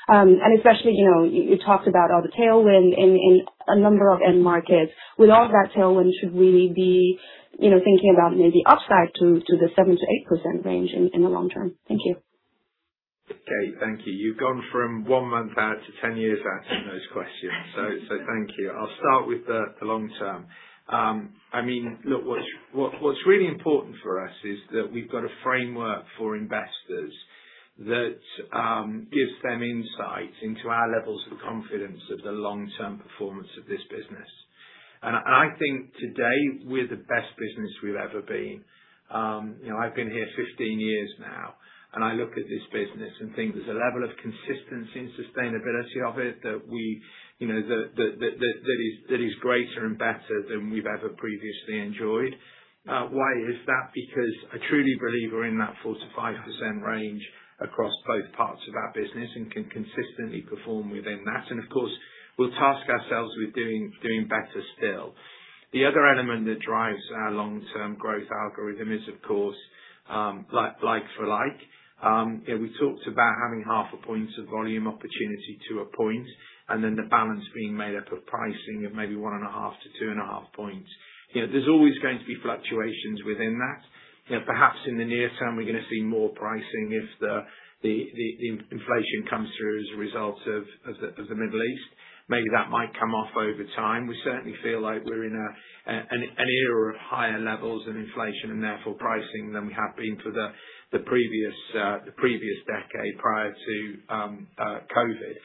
Especially, you know, you talked about all the tailwind in a number of end markets. With all that tailwind should we be, you know, thinking about maybe upside to the 7%-8% range in the long term? Thank you. Kate, thank you. You've gone from one month out to 10 years out in those questions. Thank you. I'll start with the long term. I mean, look, what's really important for us is that we've got a framework for investors that gives them insight into our levels of confidence of the long-term performance of this business. I think today we're the best business we've ever been. You know, I've been here 15 years now, and I look at this business and think there's a level of consistency and sustainability of it that we, you know, that is greater and better than we've ever previously enjoyed. Why is that? Because I truly believe we're in that 4%-5% range across both parts of our business and can consistently perform within that. Of course, we'll task ourselves with doing better still. The other element that drives our long-term growth algorithm is, of course, like for like. You know, we talked about having 0.5 percentage points of volume opportunity to 1 percentage point, and then the balance being made up of pricing of maybe 1.5 percentage points-2.5 percentage points. You know, there's always going to be fluctuations within that. You know, perhaps in the near term, we're gonna see more pricing if the inflation comes through as a result of the Middle East. Maybe that might come off over time. We certainly feel like we're in an era of higher levels of inflation and therefore pricing than we have been for the previous decade prior to COVID.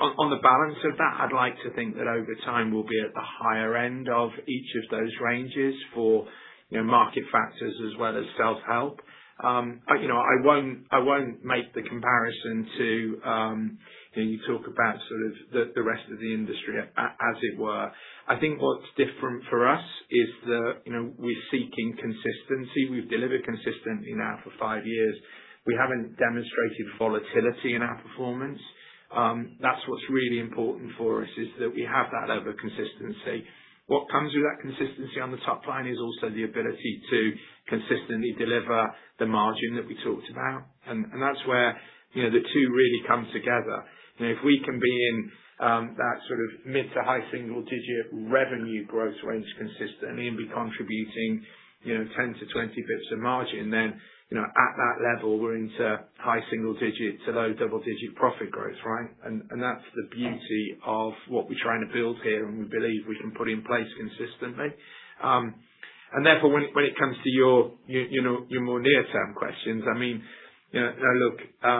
On the balance of that, I'd like to think that over time we'll be at the higher end of each of those ranges for, you know, market factors as well as self-help. You know, I won't make the comparison to, you know, you talk about sort of the rest of the industry as it were. I think what's different for us is that, you know, we're seeking consistency. We've delivered consistently now for five years. We haven't demonstrated volatility in our performance. That's what's really important for us, is that we have that level of consistency. What comes with that consistency on the top line is also the ability to consistently deliver the margin that we talked about. That's where, you know, the two really come together. You know, if we can be in that sort of mid- to high-single-digit revenue growth range consistently and be contributing, you know, 10 basis points-20 basis points of margin, then, you know, at that level we're into high-single-digits to low-double-digit profit growth, right? That's the beauty of what we're trying to build here, and we believe we can put in place consistently. Therefore when it comes to your, you know, your more near-term questions, I mean, you know, now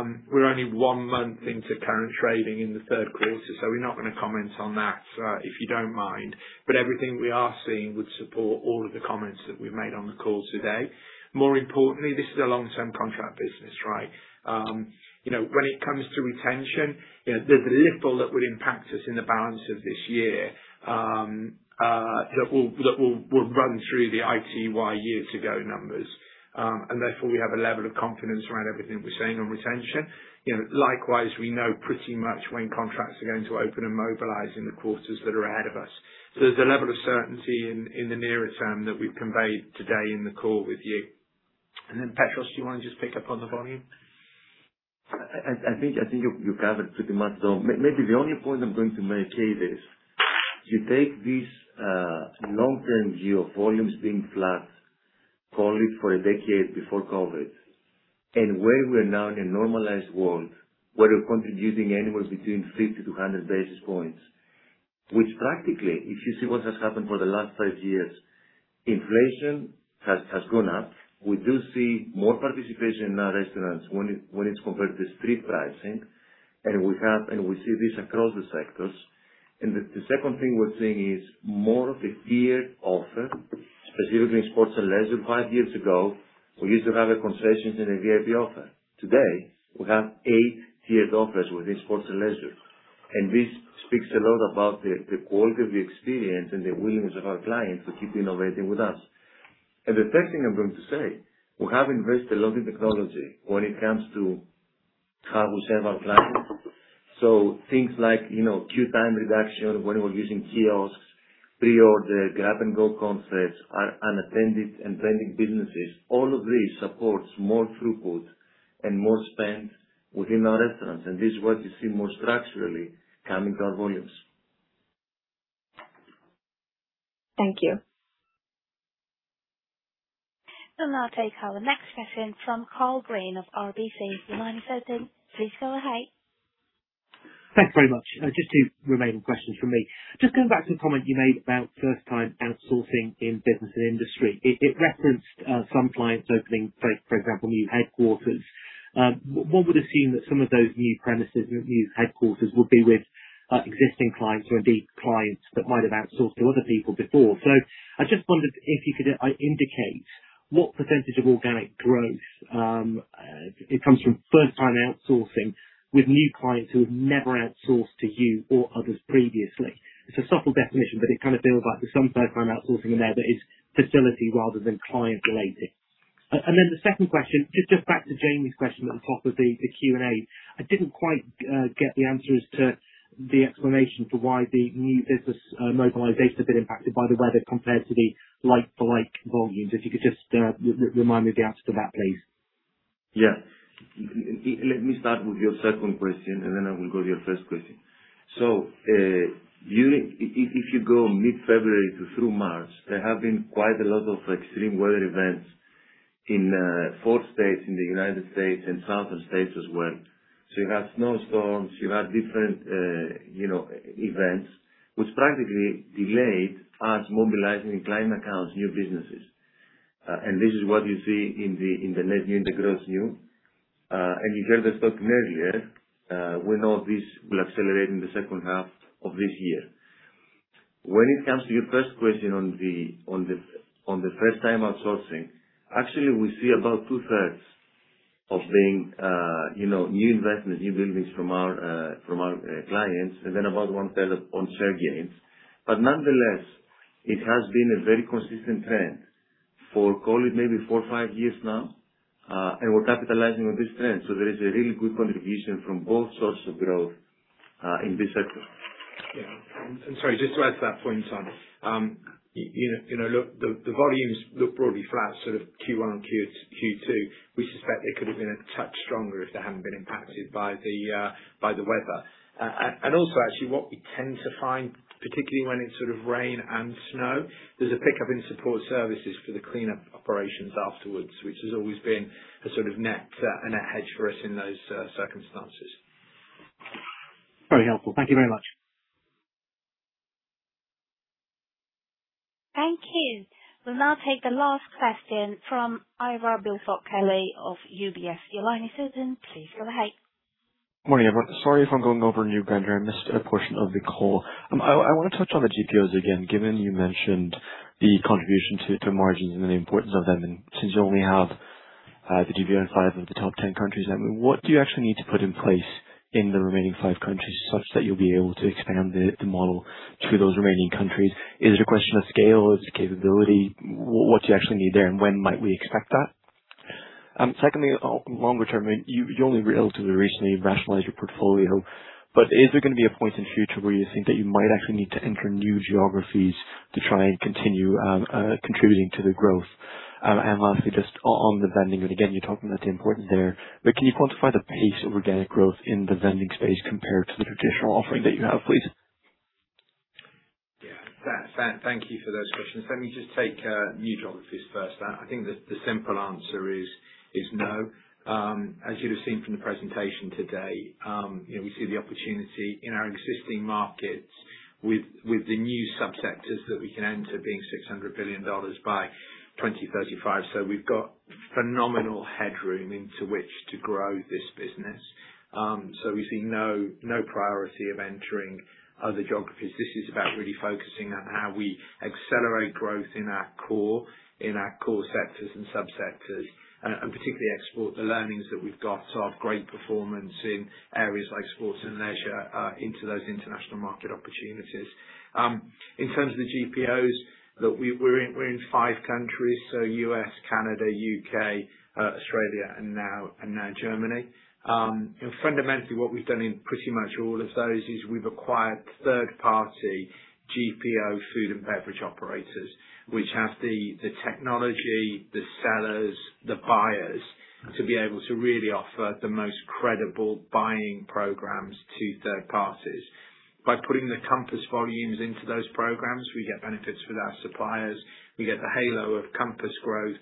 look, we're only one month into current trading in the third quarter, so we're not gonna comment on that if you don't mind. Everything we are seeing would support all of the comments that we've made on the call today. More importantly, this is a long-term contract business, right? You know, when it comes to retention, you know, there's little that would impact us in the balance of this year that will run through the ITY years ago numbers. Therefore, we have a level of confidence around everything we're saying on retention. You know, likewise, we know pretty much when contracts are going to open and mobilize in the quarters that are ahead of us. There's a level of certainty in the near term that we've conveyed today in the call with you. Then, Petros, do you wanna just pick up on the volume? I think you covered pretty much though. Maybe the only point I'm going to make here is if you take this long-term view of volumes being flat, call it for a decade before COVID, and where we're now in a normalized world, where we're contributing anywhere between 50 basis points-100 basis points, which practically, if you see what has happened for the last five years, inflation has gone up. We do see more participation in our restaurants when it's compared to street pricing. We see this across the sectors. The second thing we're seeing is more of a tiered offer, specifically in sports and leisure. Five years ago, we used to have a concessions and a VIP offer. Today, we have eight tiered offers within sports and leisure. This speaks a lot about the quality of the experience and the willingness of our clients to keep innovating with us. The third thing I'm going to say, we have invested a lot in technology when it comes to how we serve our clients. Things like, you know, queue time reduction, when we're using kiosks, pre-order, grab-and-go concepts, our unattended and vending businesses. All of this supports more throughput and more spend within our restaurants, and this is what you see more structurally coming to our volumes. Thank you. We'll now take our next question from Karl Green of RBC. Your line is open. Please go ahead. Thanks very much. Just two remaining questions from me. Just going back to the comment you made about first time outsourcing in business and industry. It referenced, for example, new headquarters. One would assume that some of those new premises and new headquarters would be with existing clients or indeed clients that might have outsourced to other people before. I just wondered if you could indicate what percent of organic growth it comes from first time outsourcing with new clients who have never outsourced to you or others previously. It's a subtle definition, it kind of feels like there's some first time outsourcing in there that is facility rather than client related. The 2nd question, just back to Jamie's question at the top of the Q&A. I didn't quite get the answer as to the explanation for why the new business mobilization had been impacted by the weather compared to the like-for-like volumes. If you could just remind me of the answer to that, please. Yeah. Let me start with your second question, and then I will go to your first question. During if you go mid-February to through March, there have been quite a lot of extreme weather events in four states in the United States and southern states as well. You have snow storms, you have different, you know, events, which practically delayed us mobilizing new client accounts, new businesses. This is what you see in the, in the net new, the gross new. You heard us talking earlier, we know this will accelerate in the second half of this year. When it comes to your first question on the first time outsourcing, actually, we see about 2/3 of being, you know, new investment, new business from our clients, and then about 1/3 of on share gains. Nonetheless, it has been a very consistent trend for call it maybe four or five years now, we're capitalizing on this trend. There is a really good contribution from both sources of growth in this sector. Yeah. Sorry, just to add to that point, Karl. You know, you know, look, the volumes look broadly flat, sort of Q1 and Q2. We suspect it could have been a touch stronger if they hadn't been impacted by the weather. Also actually what we tend to find, particularly when it's sort of rain and snow, there's a pickup in support services for the cleanup operations afterwards, which has always been a sort of net, a net hedge for us in those circumstances. Very helpful. Thank you very much. Thank you. We'll now take the last question from Ivar Billfalk-Kelly of UBS. Your line is open. Please go ahead. Morning, everyone. Sorry if I'm going over new ground here. I missed a portion of the call. I wanna touch on the GPOs again, given you mentioned the contribution to margins and the importance of them. Since you only have the GPO in five of the top 10 countries, I mean, what do you actually need to put in place in the remaining 5 countries such that you'll be able to expand the model to those remaining countries? Is it a question of scale? Is it capability? What do you actually need there, and when might we expect that? Secondly, longer term, I mean, you only relatively recently rationalized your portfolio, but is there gonna be a point in future where you think that you might actually need to enter new geographies to try and continue, contributing to the growth? Lastly, just on the vending, and again, you're talking about the importance there, but can you quantify the pace of organic growth in the vending space compared to the traditional offering that you have, please? Thank you for those questions. Let me just take new geographies first. I think the simple answer is no. As you'd have seen from the presentation today, you know, we see the opportunity in our existing markets with the new subsectors that we can enter being $600 billion by 2035. We've got phenomenal headroom into which to grow this business. We see no priority of entering other geographies. This is about really focusing on how we accelerate growth in our core sectors and subsectors, and particularly export the learnings that we've got, so our great performance in areas like sports and leisure, into those international market opportunities. In terms of the GPOs that we're in, we're in five countries, so U.S., Canada, U.K., Australia, and now Germany. And fundamentally what we've done in pretty much all of those is we've acquired third-party GPO food and beverage operators, which have the technology, the sellers, the buyers to be able to really offer the most credible buying programs to third parties. By putting the Compass volumes into those programs, we get benefits with our suppliers. We get the halo of Compass growth,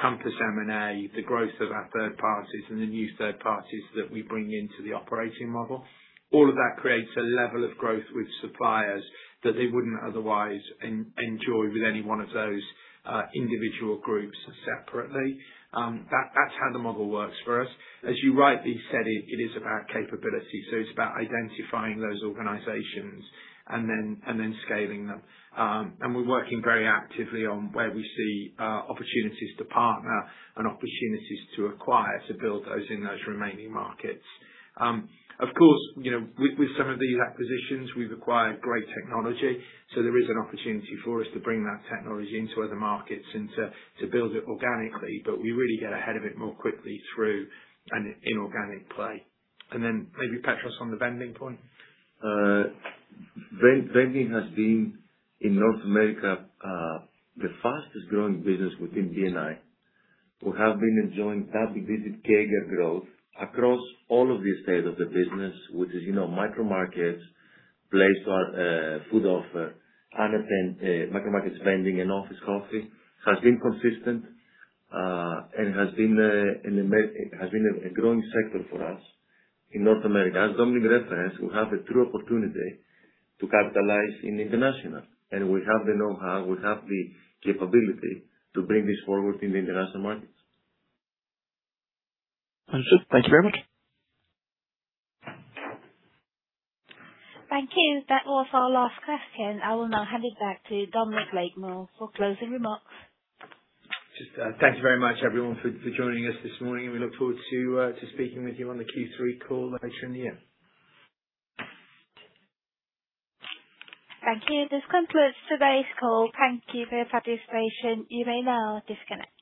Compass M&A, the growth of our third parties and the new third parties that we bring into the operating model. All of that creates a level of growth with suppliers that they wouldn't otherwise enjoy with any one of those individual groups separately. That's how the model works for us. As you rightly said, it is about capability, so it's about identifying those organizations and then scaling them. We're working very actively on where we see opportunities to partner and opportunities to acquire, to build those in those remaining markets. Of course, you know, with some of these acquisitions, we've acquired great technology, so there is an opportunity for us to bring that technology into other markets and to build it organically, but we really get ahead of it more quickly through an inorganic play. Then maybe Petros on the vending point. Vending has been, in North America, the fastest growing business within B&I. We have been enjoying double-digit CAGR growth across all of the estate of the business, which is, you know, micro markets, placed on food offer, unattended, micro markets vending and office coffee. Has been consistent and has been a growing sector for us in North America. As Dominic referenced, we have a true opportunity to capitalize in international. We have the know-how, we have the capability to bring this forward in the international markets. Understood. Thank you very much. Thank you. That was our last question. I will now hand it back to Dominic Blakemore for closing remarks. Just, thank you very much everyone for joining us this morning. We look forward to speaking with you on the Q3 call later in the year. Thank you. This concludes today's call. Thank you for your participation. You may now disconnect.